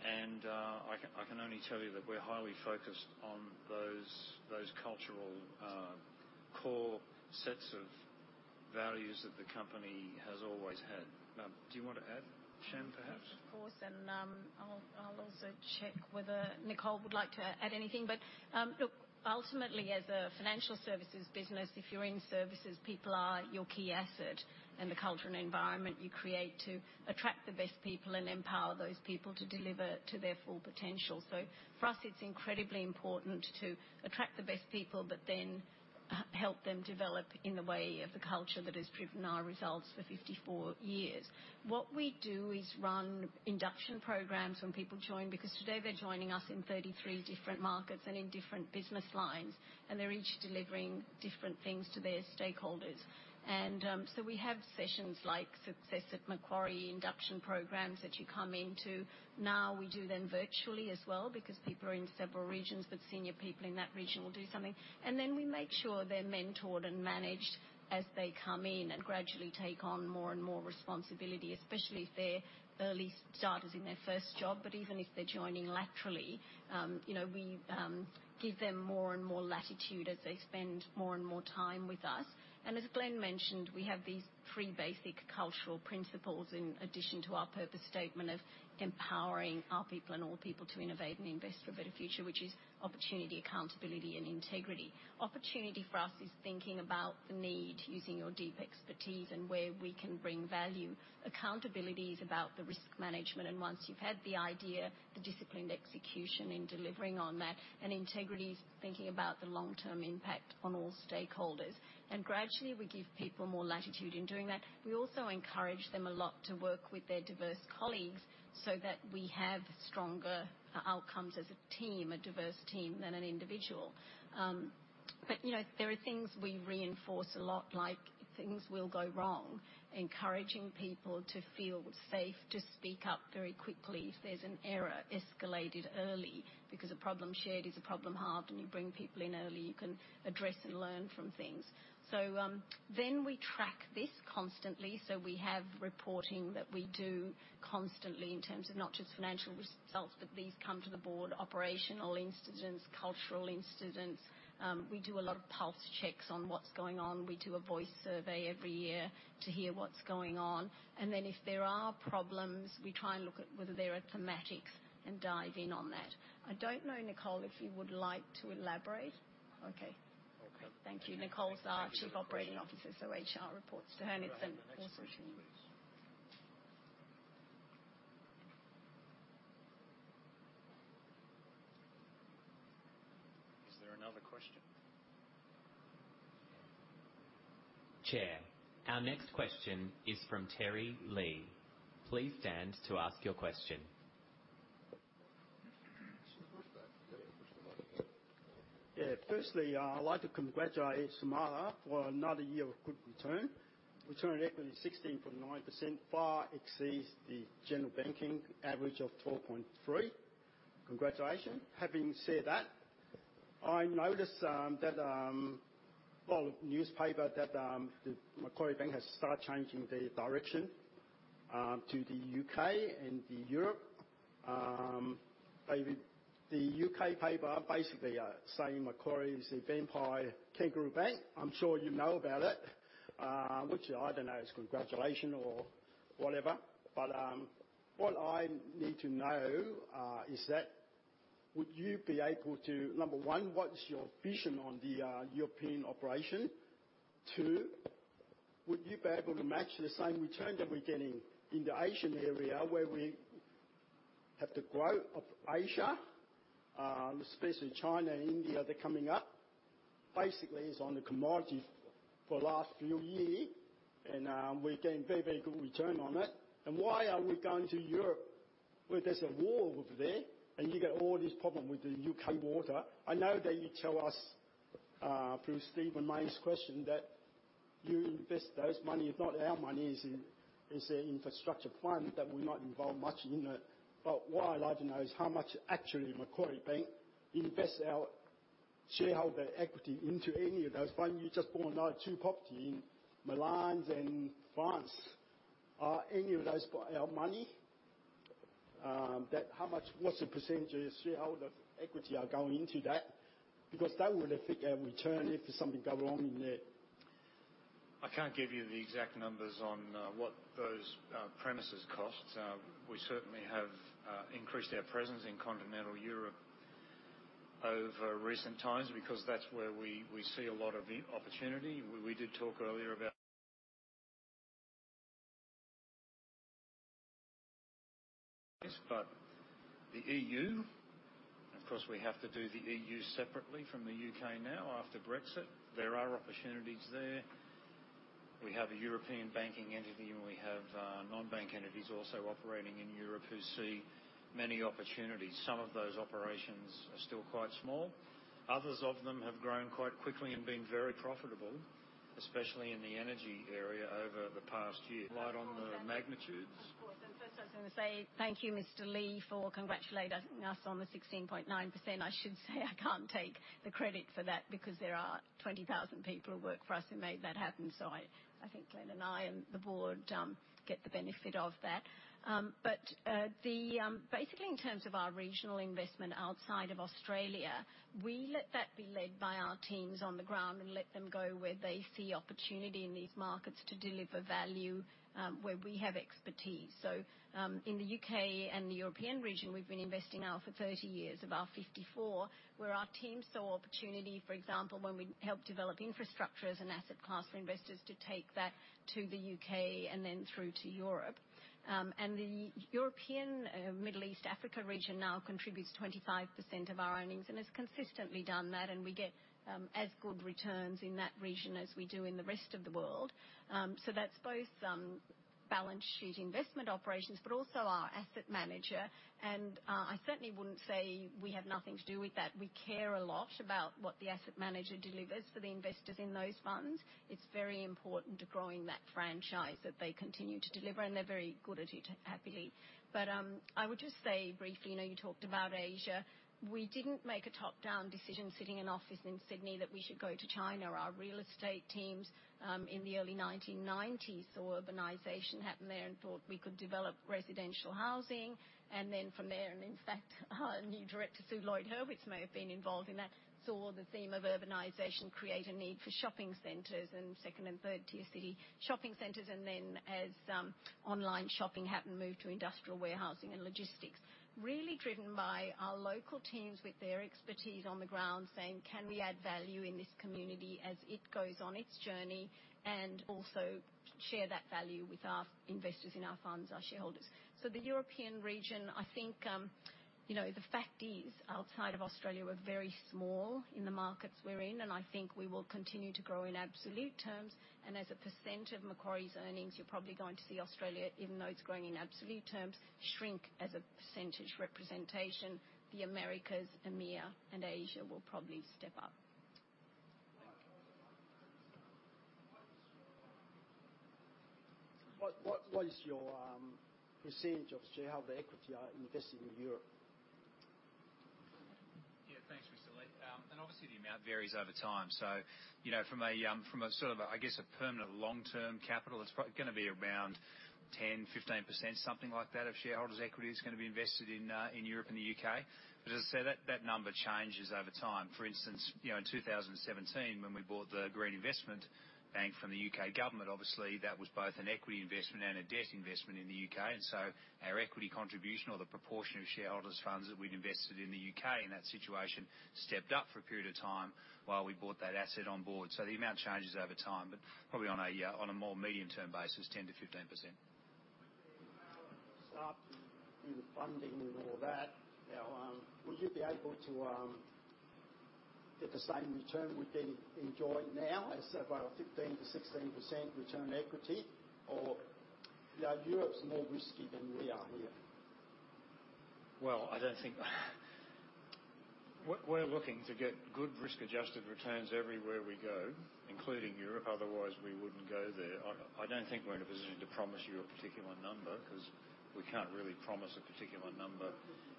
I can only tell you that we're highly focused on those cultural core sets of values that the company has always had. Now, do you want to add, Shem, perhaps? Of course, I'll also check whether Nicole would like to add anything. Ultimately, as a financial services business, if you're in services, people are your key asset, and the culture and environment you create to attract the best people and empower those people to deliver to their full potential. For us, it's incredibly important to attract the best people, but then, help them develop in the way of the culture that has driven our results for 54 years. What we do is run induction programs when people join, because today they're joining us in 33 different markets and in different business lines, and they're each delivering different things to their stakeholders. We have sessions like Success at Macquarie induction programs that you come into. We do them virtually as well, because people are in several regions, but senior people in that region will do something. We make sure they're mentored and managed as they come in and gradually take on more and more responsibility, especially if they're early starters in their first job. Even if they're joining laterally, you know, we give them more and more latitude as they spend more and more time with us. As Glenn Stevens mentioned, we have these 3 basic cultural principles in addition to our purpose statement of empowering our people and all people to innovate and invest for a better future, which is opportunity, accountability, and integrity. Opportunity for us is thinking about the need, using your deep expertise and where we can bring value. Accountability is about the risk management, once you've had the idea, the disciplined execution in delivering on that. Integrity is thinking about the long-term impact on all stakeholders. Gradually, we give people more latitude in doing that. We also encourage them a lot to work with their diverse colleagues so that we have stronger outcomes as a team, a diverse team, than an individual. You know, there are things we reinforce a lot, like things will go wrong, encouraging people to feel safe, to speak up very quickly if there's an error, escalate it early, because a problem shared is a problem halved. You bring people in early, you can address and learn from things. We track this constantly, we have reporting that we do constantly in terms of not just financial results, but these come to the board, operational incidents, cultural incidents. We do a lot of pulse checks on what's going on. We do a voice survey every year to hear what's going on. If there are problems, we try and look at whether there are thematics and dive in on that. I don't know, Nicole, if you would like to elaborate? Okay. Thank you. Nicole's our Chief Operating Officer, HR reports to her and it's an awesome team. Is there another question? Chair, our next question is from Terry Lee. Please stand to ask your question. Firstly, I'd like to congratulate Shemara for another year of good return. Return on equity 16.9% far exceeds the general banking average of 12.3%. Congratulations. Having said that, I noticed that, well, newspaper that the Macquarie Bank has started changing their direction to the U.K. and Europe. Maybe the U.K. paper basically are saying Macquarie is a vampire kangaroo bank. I'm sure you know about it, which I don't know, it's congratulation or whatever. What I need to know is that would you be able to number one, what is your vision on the European operation? Two, would you be able to match the same return that we're getting in the Asian area, where we have the growth of Asia, especially China and India, they're coming up? Basically, it's on the commodity for the last few year, and we're getting very, very good return on it. Why are we going to Europe where there's a war over there, and you get all this problem with the UK water? I know that you tell us through Stephen Mayne's question, that you invest those money. It's not our money, it's an infrastructure fund that we're not involved much in it. What I'd like to know is how much actually Macquarie Bank invest our shareholder equity into any of those funds. You just bought now 2 property in Milan and France. Are any of those our money? That how much what's the percentage of shareholder equity are going into that? Because that will affect our return if something go wrong in there. I can't give you the exact numbers on what those premises cost. We certainly have increased our presence in continental Europe over recent times because that's where we see a lot of the opportunity. We did talk earlier about. The EU, of course, we have to do the EU separately from the UK now, after Brexit. There are opportunities there. We have a European banking entity, and we have non-bank entities also operating in Europe who see many opportunities. Some of those operations are still quite small. Others of them have grown quite quickly and been very profitable, especially in the energy area over the past year. Right on the magnitudes- Of course. First, I was going to say thank you, Mr. Lee, for congratulating us on the 16.9%. I should say I can't take the credit for that because there are 20,000 people who work for us who made that happen. I think Glenn and I and the board get the benefit of that. Basically, in terms of our regional investment outside of Australia, we let that be led by our teams on the ground and let them go where they see opportunity in these markets to deliver value where we have expertise. In the UK and the European region, we've been investing now for 30 years of our 54, where our team saw opportunity, for example, when we helped develop infrastructure as an asset class for investors to take that to the UK and then through to Europe. The European, Middle East, Africa region now contributes 25% of our earnings and has consistently done that, and we get as good returns in that region as we do in the rest of the world. That's both balance sheet investment operations, but also our asset manager. I certainly wouldn't say we have nothing to do with that. We care a lot about what the asset manager delivers for the investors in those funds. It's very important to growing that franchise that they continue to deliver, and they're very good at it, happily. I would just say briefly, you know, you talked about Asia. We didn't make a top-down decision sitting in an office in Sydney, that we should go to China. Our real estate teams, in the early 1990s, saw urbanization happen there and thought we could develop residential housing. From there, and in fact, our new director, Sue Lloyd-Hurwitz, may have been involved in that, saw the theme of urbanization create a need for shopping centers and second and third tier city shopping centers, and then as online shopping happened, moved to industrial warehousing and logistics. Really driven by our local teams with their expertise on the ground, saying, "Can we add value in this community as it goes on its journey, and also share that value with our investors in our funds, our shareholders?" The European region, I think, you know, the fact is, outside of Australia, we're very small in the markets we're in, and I think we will continue to grow in absolute terms. As a percent of Macquarie's earnings, you're probably going to see Australia, even though it's growing in absolute terms, shrink as a percentage representation. The Americas, EMEA, and Asia will probably step up. What is your percent of shareholder equity are invested in Europe? Yeah, thanks, Mr. Lee. Obviously, the amount varies over time. You know, from a, from a sort of, I guess, a permanent long-term capital, it's probably gonna be around 10 to 15%, something like that, of shareholders' equity is going to be invested in Europe and the UK. As I say, that number changes over time. For instance, you know, in 2017, when we bought the Green Investment Bank from the UK government, obviously that was both an equity investment and a debt investment in the UK. Our equity contribution, or the proportion of shareholders' funds that we'd invested in the UK in that situation, stepped up for a period of time while we bought that asset on board. The amount changes over time, but probably on a, on a more medium-term basis, 10 to 15%. Male staff in the funding and all that. Would you be able to get the same return we're enjoying now, as about a 15 to 16% return on equity? Yeah, Europe's more risky than we are here. Well, we're looking to get good risk-adjusted returns everywhere we go, including Europe, otherwise we wouldn't go there. I don't think we're in a position to promise you a particular number, 'cause we can't really promise a particular number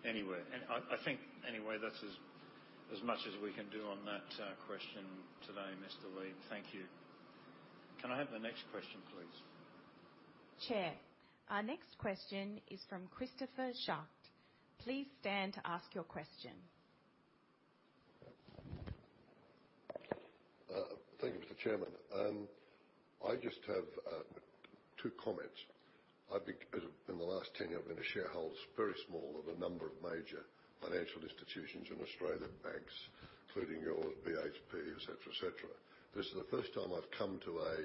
anywhere. I think, anyway, that's as much as we can do on that question today, Mr. Lee. Thank you. Can I have the next question, please? Chair, our next question is from Christopher Schacht. Please stand to ask your question. Thank you, Mr. Chairman. I just have 2 comments. I've been, in the last 10 years, I've been a shareholder, very small, of a number of major financial institutions in Australia, banks, including yours, BHP, et cetera, et cetera. This is the first time I've come to a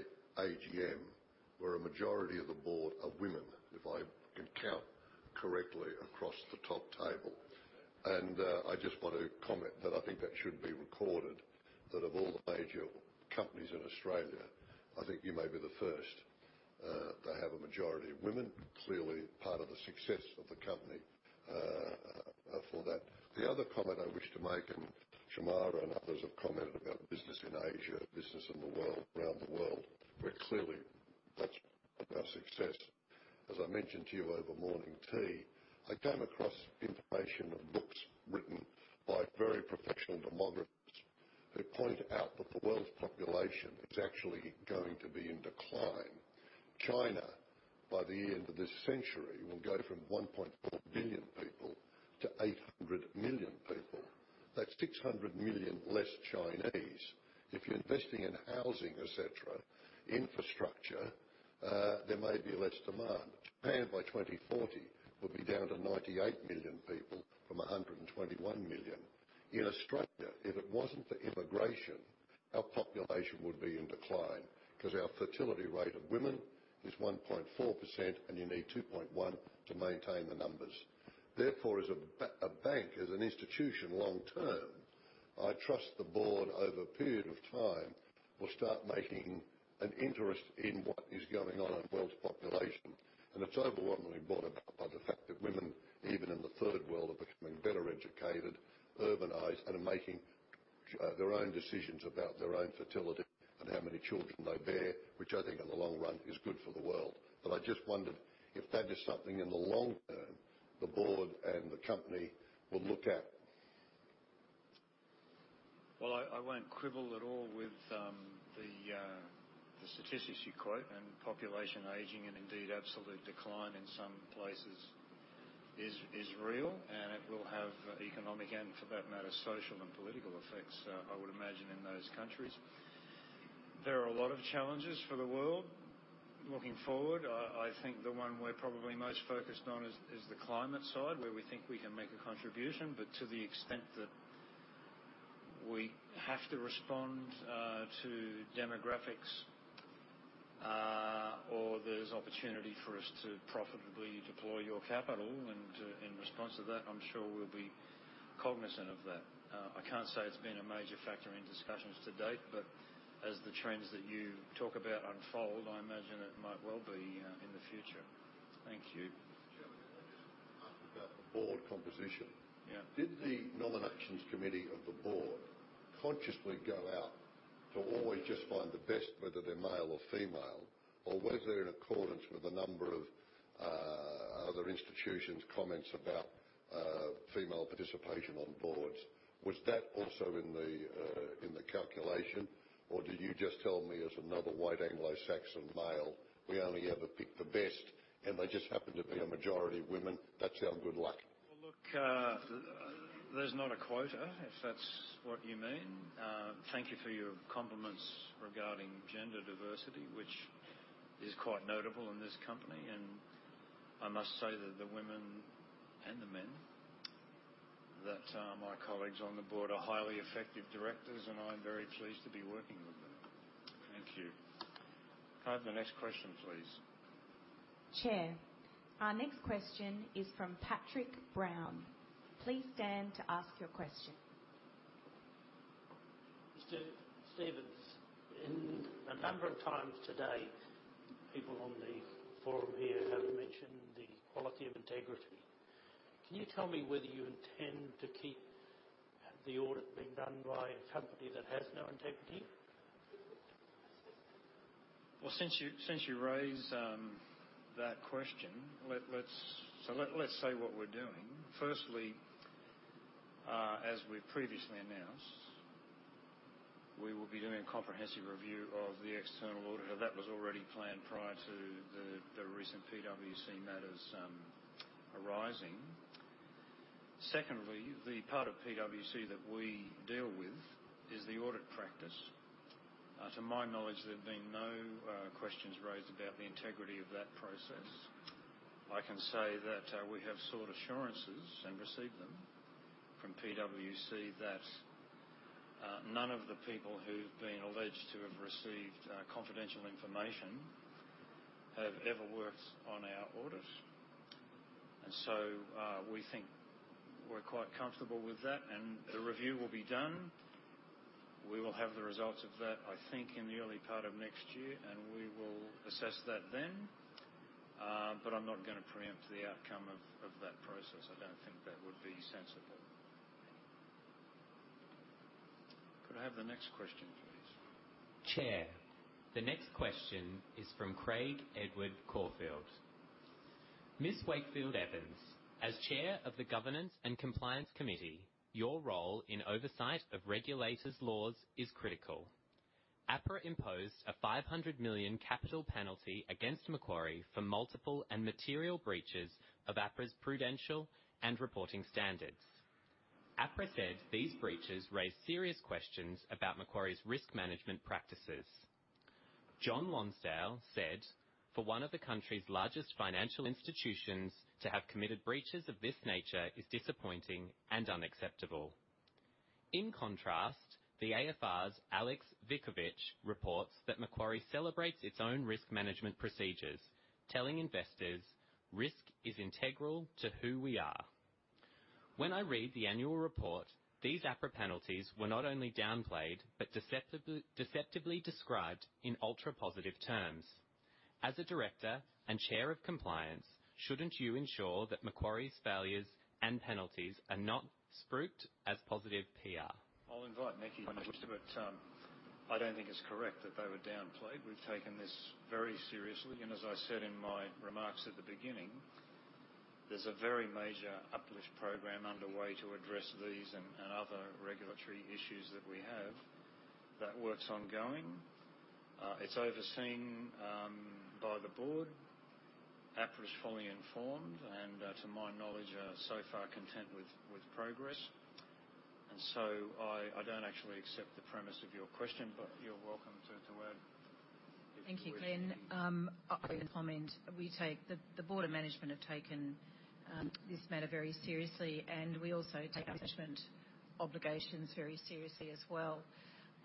AGM where a majority of the board are women, if I can count correctly across the top table. I just want to comment that I think that should be recorded, that of all the major companies in Australia, I think you may be the first to have a majority of women. Clearly, part of the success of the company for that. The other comment I wish to make, and Shemara and others have commented about business in Asia, business in the world, around the world, where clearly that's our success. As I mentioned to you over morning tea, I came across information of books written by very professional demographers who point out that the world's population is actually going to be in decline. China, by the end of this century, will go from 1.4 billion people to 800 million people. That's 600 million less Chinese. If you're investing in housing, et cetera, infrastructure, there may be less demand. Japan, by 2040, will be down to 98 million people from 121 million. In Australia, if it wasn't for immigration, our population would be in decline, 'cause our fertility rate of women is 1.4%, and you need 2.1 to maintain the numbers. Therefore, as a bank, as an institution, long term, I trust the board, over a period of time, will start making an interest in what is going on in the world's population. It's overwhelmingly brought about by the fact that women, even in the Third World, are becoming better educated, urbanized, and are making their own decisions about their own fertility and how many children they bear, which I think in the long run is good for the world. I just wondered if that is something, in the long term, the board and the company will look at? I won't quibble at all with the statistics you quote. Population aging, and indeed absolute decline in some places, is real, and it will have economic, and for that matter, social and political effects, I would imagine, in those countries. There are a lot of challenges for the world looking forward. I think the one we're probably most focused on is the climate side, where we think we can make a contribution. To the extent that we have to respond to demographics, or there's opportunity for us to profitably deploy your capital, and in response to that, I'm sure we'll be cognizant of that. I can't say it's been a major factor in discussions to date, but as the trends that you talk about unfold, I imagine it might well be in the future. Thank you. Chairman, can I just ask about the board composition? Yeah. Did the Nominations Committee of the board consciously go out to always just find the best, whether they're male or female? Or were they in accordance with a number of other institutions' comments about female participation on boards? Was that also in the in the calculation, or do you just tell me as another white Anglo-Saxon male, "We only ever pick the best, and they just happen to be a majority of women. That's our good luck? Well, look, there's not a quota, if that's what you mean. Thank you for your compliments regarding gender diversity, which is quite notable in this company. I must say that the women and the men, that, my colleagues on the board are highly effective directors, and I'm very pleased to be working with them. Thank you. Can I have the next question, please? Chair, our next question is from Patrick Brown. Please stand to ask your question. Mr. Stevens, in a number of times today, people on the forum here have mentioned the quality of integrity. Can you tell me whether you intend to keep the audit being done by a company that has no integrity? Since you raised that question, let's say what we're doing. Firstly, as we've previously announced, we will be doing a comprehensive review of the external auditor. That was already planned prior to the recent PwC matters arising. Secondly, the part of PwC that we deal with is the audit practice. To my knowledge, there have been no questions raised about the integrity of that process. I can say that we have sought assurances and received them from PwC that none of the people who've been alleged to have received confidential information have ever worked on our audit. We think we're quite comfortable with that, and a review will be done. We will have the results of that, I think, in the early part of next year. We will assess that then. I'm not gonna preempt the outcome of that process. I don't think that would be sensible. Could I have the next question, please? Chair, the next question is from Craig Edward Corfield: Ms. Wakefield-Evans, as Chair of the Governance and Compliance Committee, your role in oversight of regulators' laws is critical. APRA imposed an 500 million capital penalty against Macquarie for multiple and material breaches of APRA's Prudential and Reporting Standards. APRA said these breaches raised serious questions about Macquarie's risk management practices. John Lonsdale said, "For one of the country's largest financial institutions to have committed breaches of this nature is disappointing and unacceptable." In contrast, the AFR's Alex Vickovich reports that Macquarie celebrates its own risk management procedures, telling investors, "Risk is integral to who we are." When I read the annual report, these APRA penalties were not only downplayed but deceptively described in ultra-positive terms. As a director and chair of compliance, shouldn't you ensure that Macquarie's failures and penalties are not spruiked as positive PR? I'll invite Nicki to answer, but I don't think it's correct that they were downplayed. We've taken this very seriously, and as I said in my remarks at the beginning, there's a very major uplift program underway to address these and other regulatory issues that we have. That work's ongoing. It's overseen by the board. APRA is fully informed, and to my knowledge, are so far content with progress. I don't actually accept the premise of your question, but you're welcome to add if you wish. Thank you, Glenn. I'll comment. We take the board of management have taken this matter very seriously, and we also take management obligations very seriously as well.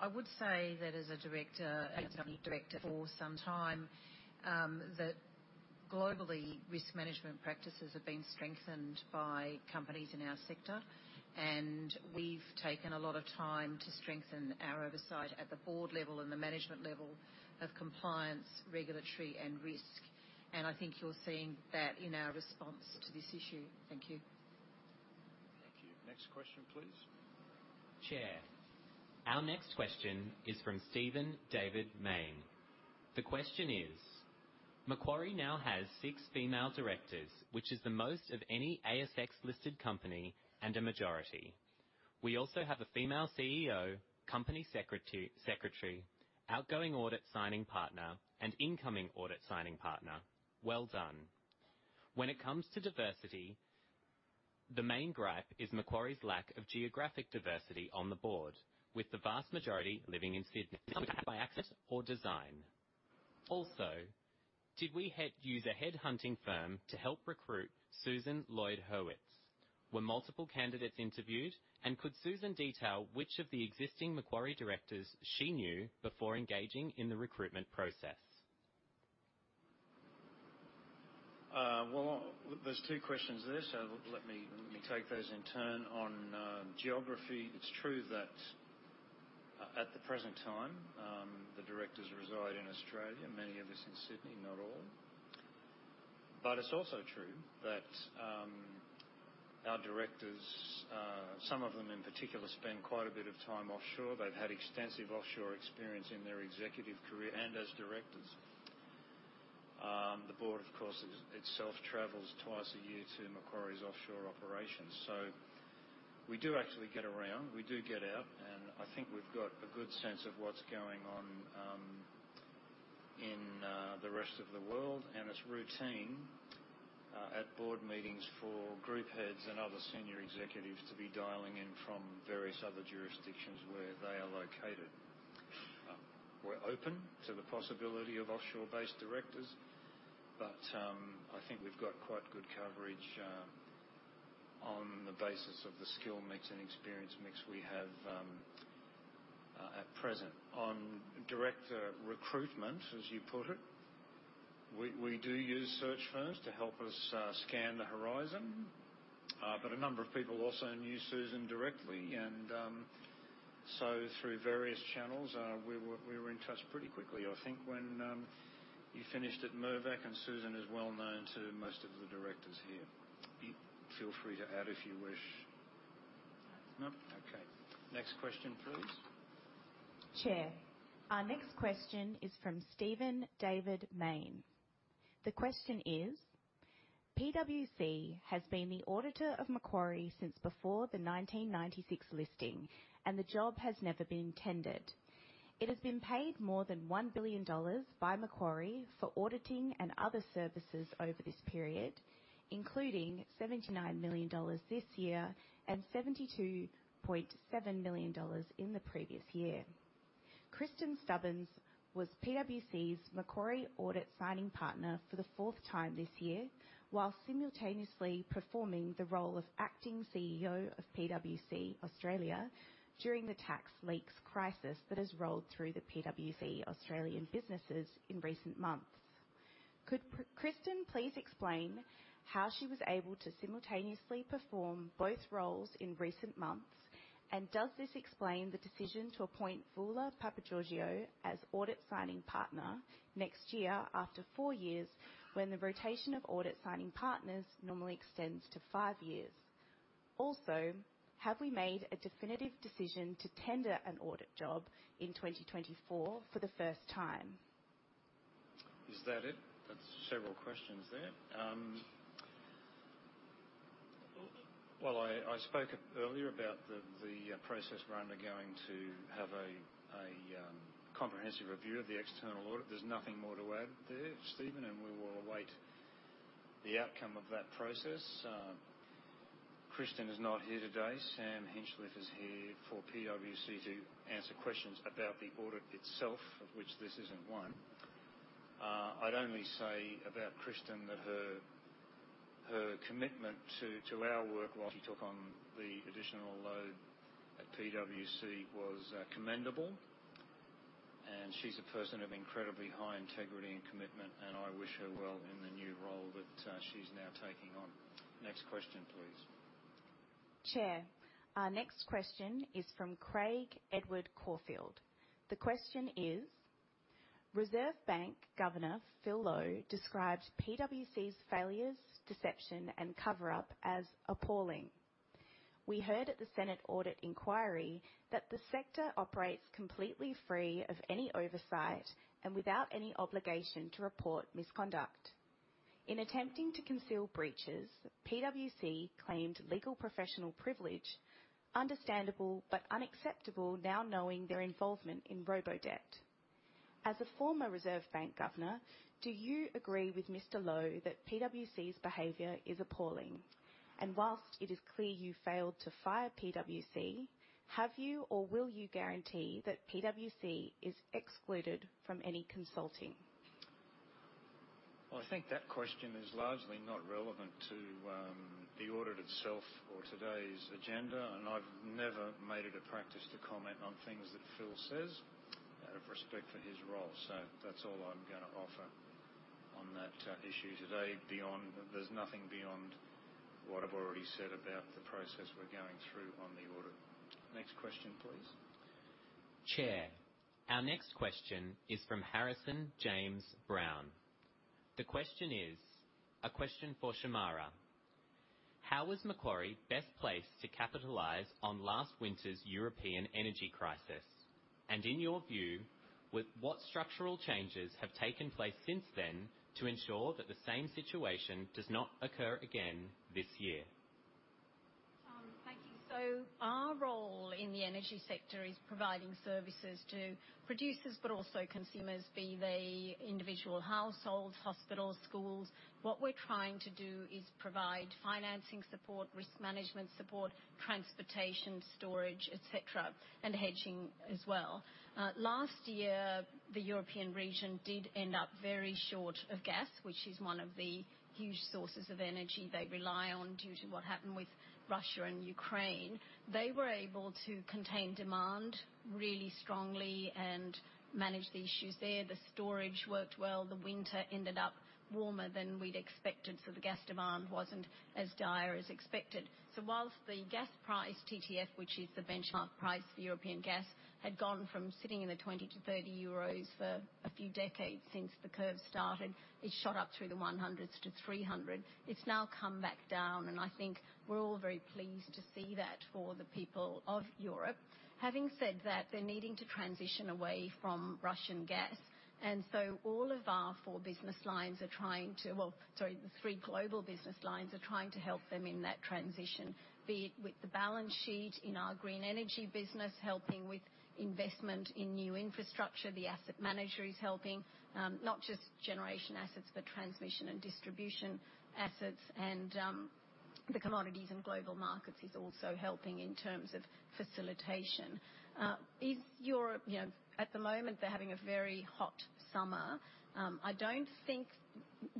I would say that as a director and company director for some time, that globally, risk management practices have been strengthened by companies in our sector, and we've taken a lot of time to strengthen our oversight at the board level and the management level of compliance, regulatory, and risk. I think you're seeing that in our response to this issue. Thank you. Thank you. Next question, please. Chair, our next question is from Stephen Mayne. The question is: Macquarie now has 6 female directors, which is the most of any ASX-listed company and a majority. We also have a female CEO, company secretary, outgoing audit signing partner, and incoming audit signing partner. Well done. When it comes to diversity, the main gripe is Macquarie's lack of geographic diversity on the board, with the vast majority living in Sydney by accident or design. Also, did we use a headhunting firm to help recruit Susan Lloyd-Hurwitz? Were multiple candidates interviewed, and could Susan detail which of the existing Macquarie directors she knew before engaging in the recruitment process? Well, there's two questions there, so let me take those in turn. On geography, it's true that, at the present time, the directors reside in Australia, many of us in Sydney, not all. It's also true that, our directors, some of them in particular, spend quite a bit of time offshore. They've had extensive offshore experience in their executive career and as directors. The board, of course, itself travels twice a year to Macquarie's offshore operations, so we do actually get around. We do get out, and I think we've got a good sense of what's going on, in the rest of the world. It's routine, at board meetings for group heads and other senior executives to be dialing in from various other jurisdictions where they are located. We're open to the possibility of offshore-based directors, but I think we've got quite good coverage on the basis of the skill mix and experience mix we have at present. On director recruitment, as you put it, we do use search firms to help us scan the horizon. A number of people also knew Susan Lloyd-Hurwitz directly, and so through various channels, we were, we were in touch pretty quickly, I think, when you finished at Mirvac, and Susan Lloyd-Hurwitz is well known to most of the directors here. Feel free to add if you wish. No? Okay. Next question, please. Chair, our next question is from Stephen Mayne. PwC has been the auditor of Macquarie since before the 1996 listing, and the job has never been tendered. It has been paid more than $1 billion by Macquarie for auditing and other services over this period, including $79 million this year and $72.7 million in the previous year. Kristin Stubbins was PwC's Macquarie audit signing partner for the fourth time this year, while simultaneously performing the role of acting CEO of PwC Australia during the tax leaks crisis that has rolled through the PwC Australian businesses in recent months. Could Kristin please explain how she was able to simultaneously perform both roles in recent months, and does this explain the decision to appoint Voula Papageorgiou as audit signing partner next year after 4 years, when the rotation of audit signing partners normally extends to 5 years? Have we made a definitive decision to tender an audit job in 2024 for the first time? Is that it? That's several questions there. Well, I spoke earlier about the process we're undergoing to have a comprehensive review of the external audit. There's nothing more to add there, Stephen. We will await the outcome of that process. Kristin is not here today. Sam Hinchliffe is here for PwC to answer questions about the audit itself, of which this isn't one. I'd only say about Kristin, that her commitment to our work while she took on the additional load at PwC was commendable, and she's a person of incredibly high integrity and commitment, and I wish her well in the new role that she's now taking on. Next question, please. Chair, our next question is from Craig Edward Corfield. The question is: Reserve Bank Governor Philip Lowe describes PwC's failures, deception, and cover-up as appalling. We heard at the Senate audit inquiry that the sector operates completely free of any oversight and without any obligation to report misconduct. In attempting to conceal breaches, PwC claimed legal professional privilege, understandable but unacceptable, now knowing their involvement in Robodebt. As a former Reserve Bank governor, do you agree with Mr. Lowe that PwC's behavior is appalling? Whilst it is clear you failed to fire PwC, have you or will you guarantee that PwC is excluded from any consulting? I think that question is largely not relevant to the audit itself or today's agenda, and I've never made it a practice to comment on things that Phil says out of respect for his role. That's all I'm gonna offer on that issue today. There's nothing beyond what I've already said about the process we're going through on the audit. Next question, please. Chair, our next question is from Harrison James Brown. The question is a question for Shemara. How was Macquarie best placed to capitalize on last winter's European energy crisis? In your view, with what structural changes have taken place since then to ensure that the same situation does not occur again this year? Thank you. Our role in the energy sector is providing services to producers, but also consumers, be they individual households, hospitals, schools. What we're trying to do is provide financing support, risk management support, transportation, storage, et cetera, and hedging as well. Last year, the European region did end up very short of gas, which is one of the huge sources of energy they rely on due to what happened with Russia and Ukraine. They were able to contain demand really strongly and manage the issues there. The storage worked well. The winter ended up warmer than we'd expected, so the gas demand wasn't as dire as expected. Whilst the gas price, TTF, which is the benchmark price for European gas, had gone from sitting in the 20-30 euros for a few decades since the curve started, it shot up through the 100-300. It's now come back down, and I think we're all very pleased to see that for the people of Europe. Having said that, they're needing to transition away from Russian gas, and so the three global business lines are trying to help them in that transition, be it with the balance sheet in our green energy business, helping with investment in new infrastructure. The asset manager is helping, not just generation assets, but transmission and distribution assets, and the Commodities and Global Markets is also helping in terms of facilitation. You know, at the moment, they're having a very hot summer. I don't think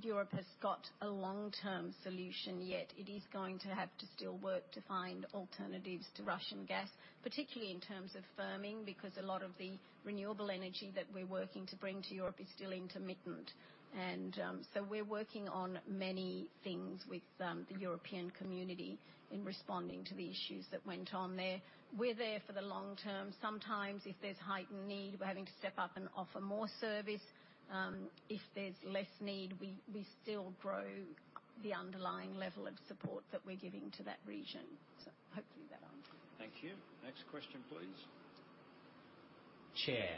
Europe has got a long-term solution yet. It is going to have to still work to find alternatives to Russian gas, particularly in terms of firming, because a lot of the renewable energy that we're working to bring to Europe is still intermittent. We're working on many things with the European community in responding to the issues that went on there. We're there for the long term. Sometimes if there's heightened need, we're having to step up and offer more service. If there's less need, we still grow the underlying level of support that we're giving to that region. Hopefully that answers. Thank you. Next question, please. Chair,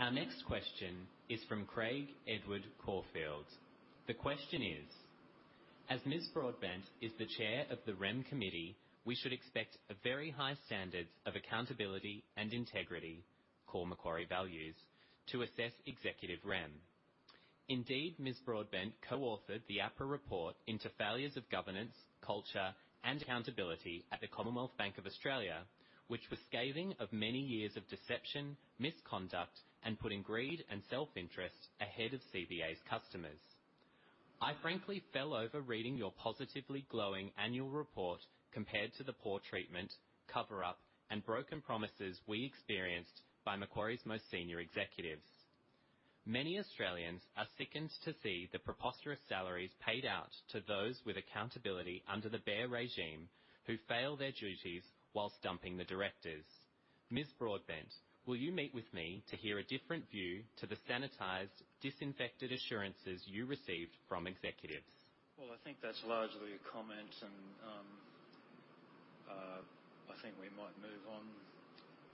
our next question is from Craig Edward Corfield. The question is: As Ms. Broadbent is the chair of the REM committee, we should expect a very high standard of accountability and integrity, core Macquarie values, to assess executive REM. Indeed, Ms. Broadbent co-authored the APRA report into failures of governance, culture, and accountability at the Commonwealth Bank of Australia, which was scathing of many years of deception, misconduct, and putting greed and self-interest ahead of CBA's customers. I frankly fell over reading your positively glowing annual report compared to the poor treatment, cover-up, and broken promises we experienced by Macquarie's most senior executives. Many Australians are sickened to see the preposterous salaries paid out to those with accountability under the BEAR regime, who fail their duties whilst dumping the directors. Ms. Broadbent, will you meet with me to hear a different view to the sanitized, disinfected assurances you received from executives? Well, I think that's largely a comment, and I think we might move on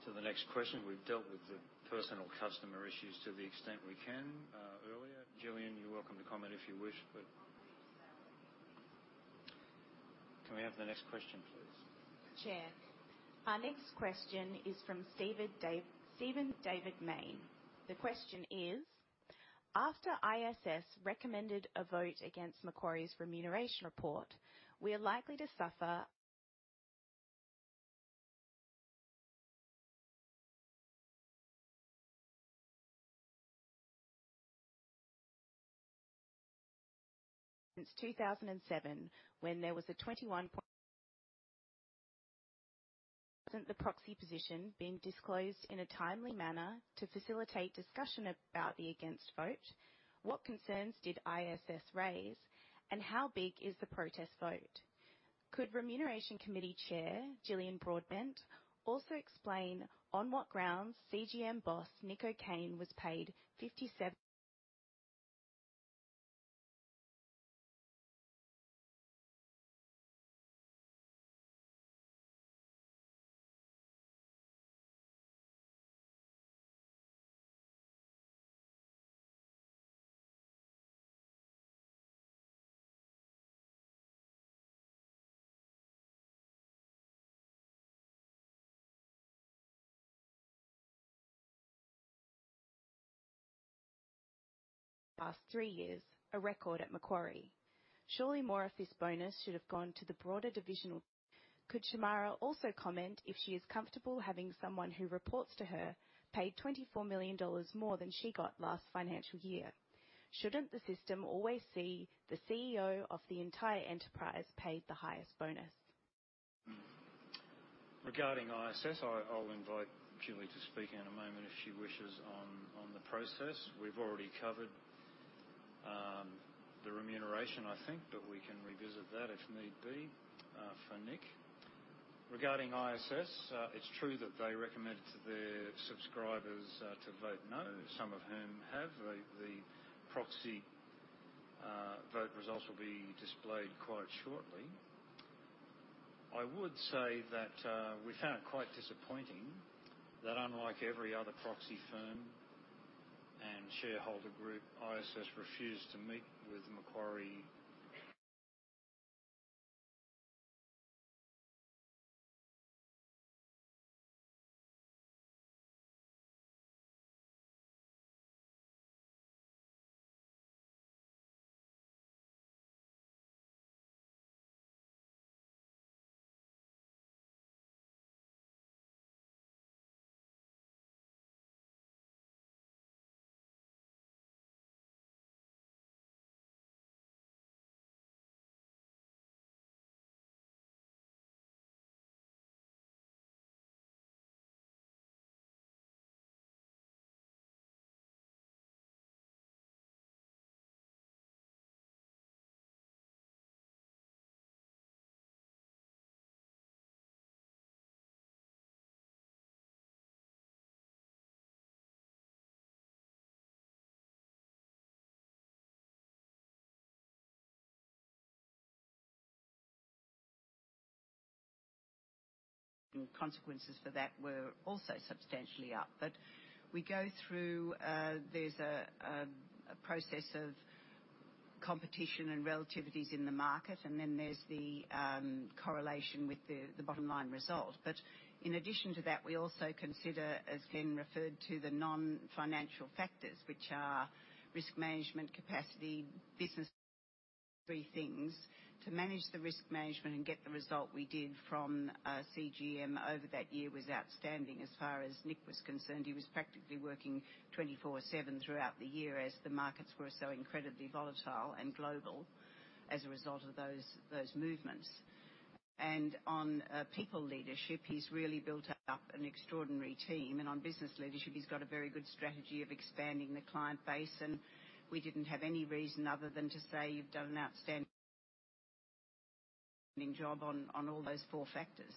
to the next question. We've dealt with the personal customer issues to the extent we can earlier. Jillian, you're welcome to comment if you wish, but c an we have the next question, please? Chair, our next question is from Stephen Mayne. The question is: After ISS recommended a vote against Macquarie's remuneration report, we are likely to suffer since 2007, when there was a wasn't the proxy position being disclosed in a timely manner to facilitate discussion about the against vote? What concerns did ISS raise, and how big is the protest vote? Could Remuneration Committee Chair, Jillian Broadbent, also explain on what grounds CGM boss, Nick O'Kane, was paid 57- ... past 3 years, a record at Macquarie. Surely more of this bonus should have gone to the broader divisional. Could Shemara also comment if she is comfortable having someone who reports to her paid $24 million more than she got last financial year? Shouldn't the system always see the CEO of the entire enterprise paid the highest bonus? Regarding ISS, I'll invite Jillian to speak in a moment if she wishes on the process. We've already covered the remuneration, I think, but we can revisit that if need be for Nick. Regarding ISS, it's true that they recommended to their subscribers to vote no, some of whom have. The proxy vote results will be displayed quite shortly. I would say that we found it quite disappointing that unlike every other proxy firm and shareholder group, ISS refused to meet with Macquarie. Consequences for that were also substantially up. We go through, there's a process of competition and relativities in the market, and then there's the correlation with the bottom line result. In addition to that, we also consider, as been referred to, the non-financial factors, which are risk management, capacity, business, 3 things. To manage the risk management and get the result we did from CGM over that year was outstanding as far as Nick was concerned. He was practically working 24/7 throughout the year as the markets were so incredibly volatile and global as a result of those movements. On people leadership, he's really built up an extraordinary team, and on business leadership, he's got a very good strategy of expanding the client base. We didn't have any reason other than to say you've done an outstanding job on all those four factors.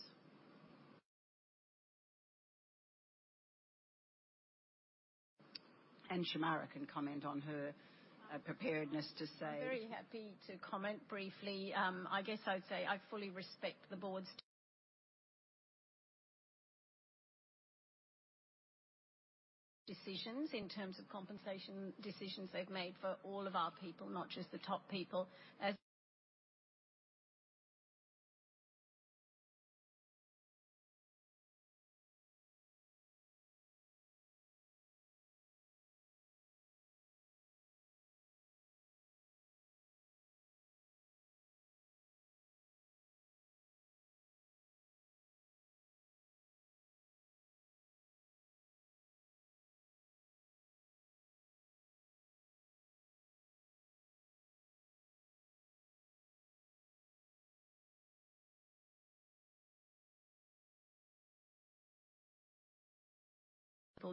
Shemara can comment on her preparedness. I'm very happy to comment briefly. I guess I'd say I fully respect the board's decisions in terms of compensation decisions they've made for all of our people, not just the top people.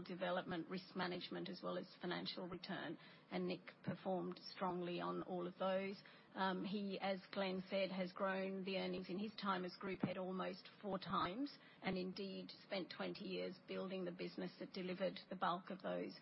Development, risk management, as well as financial return, Nick performed strongly on all of those. He, as Glenn said, has grown the earnings in his time as Group Ed almost 4x, indeed spent 20 years building the business that delivered the bulk of those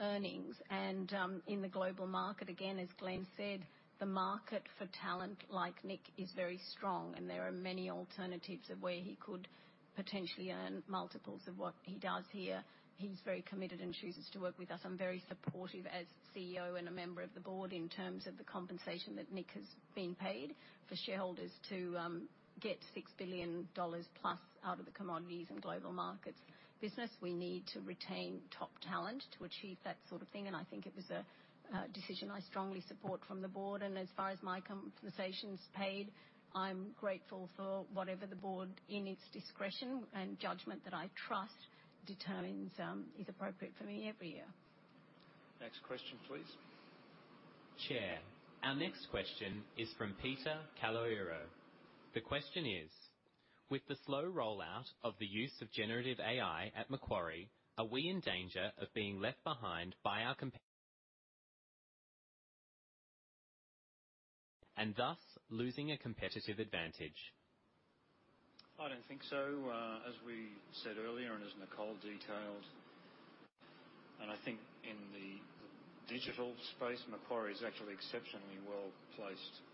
earnings. In the global market, again, as Glenn said, the market for talent like Nick is very strong, there are many alternatives of where he could potentially earn multiples of what he does here. He's very committed and chooses to work with us. I'm very supportive as CEO and a member of the board in terms of the compensation that Nick has been paid. For shareholders to get 6 billion dollars plus out of the Commodities and Global Markets business, we need to retain top talent to achieve that sort of thing, and I think it was a decision I strongly support from the board. As far as my compensation's paid, I'm grateful for whatever the board, in its discretion and judgment that I trust, determines is appropriate for me every year. Next question, please. Chair, our next question is from Peter Caloyero. The question is: With the slow rollout of the use of generative AI at Macquarie, are we in danger of being left behind by our comp- and thus losing a competitive advantage? I don't think so. As we said earlier, and as Nicole detailed, and I think in the digital space, Macquarie is actually exceptionally well placed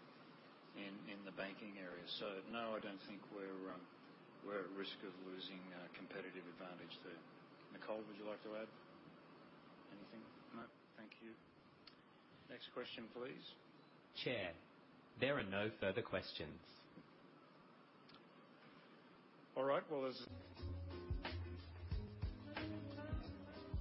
in the banking area. No, I don't think we're at risk of losing competitive advantage there. Nicole, would you like to add anything? No. Thank you. Next question, please. Chair, there are no further questions. All right. Well.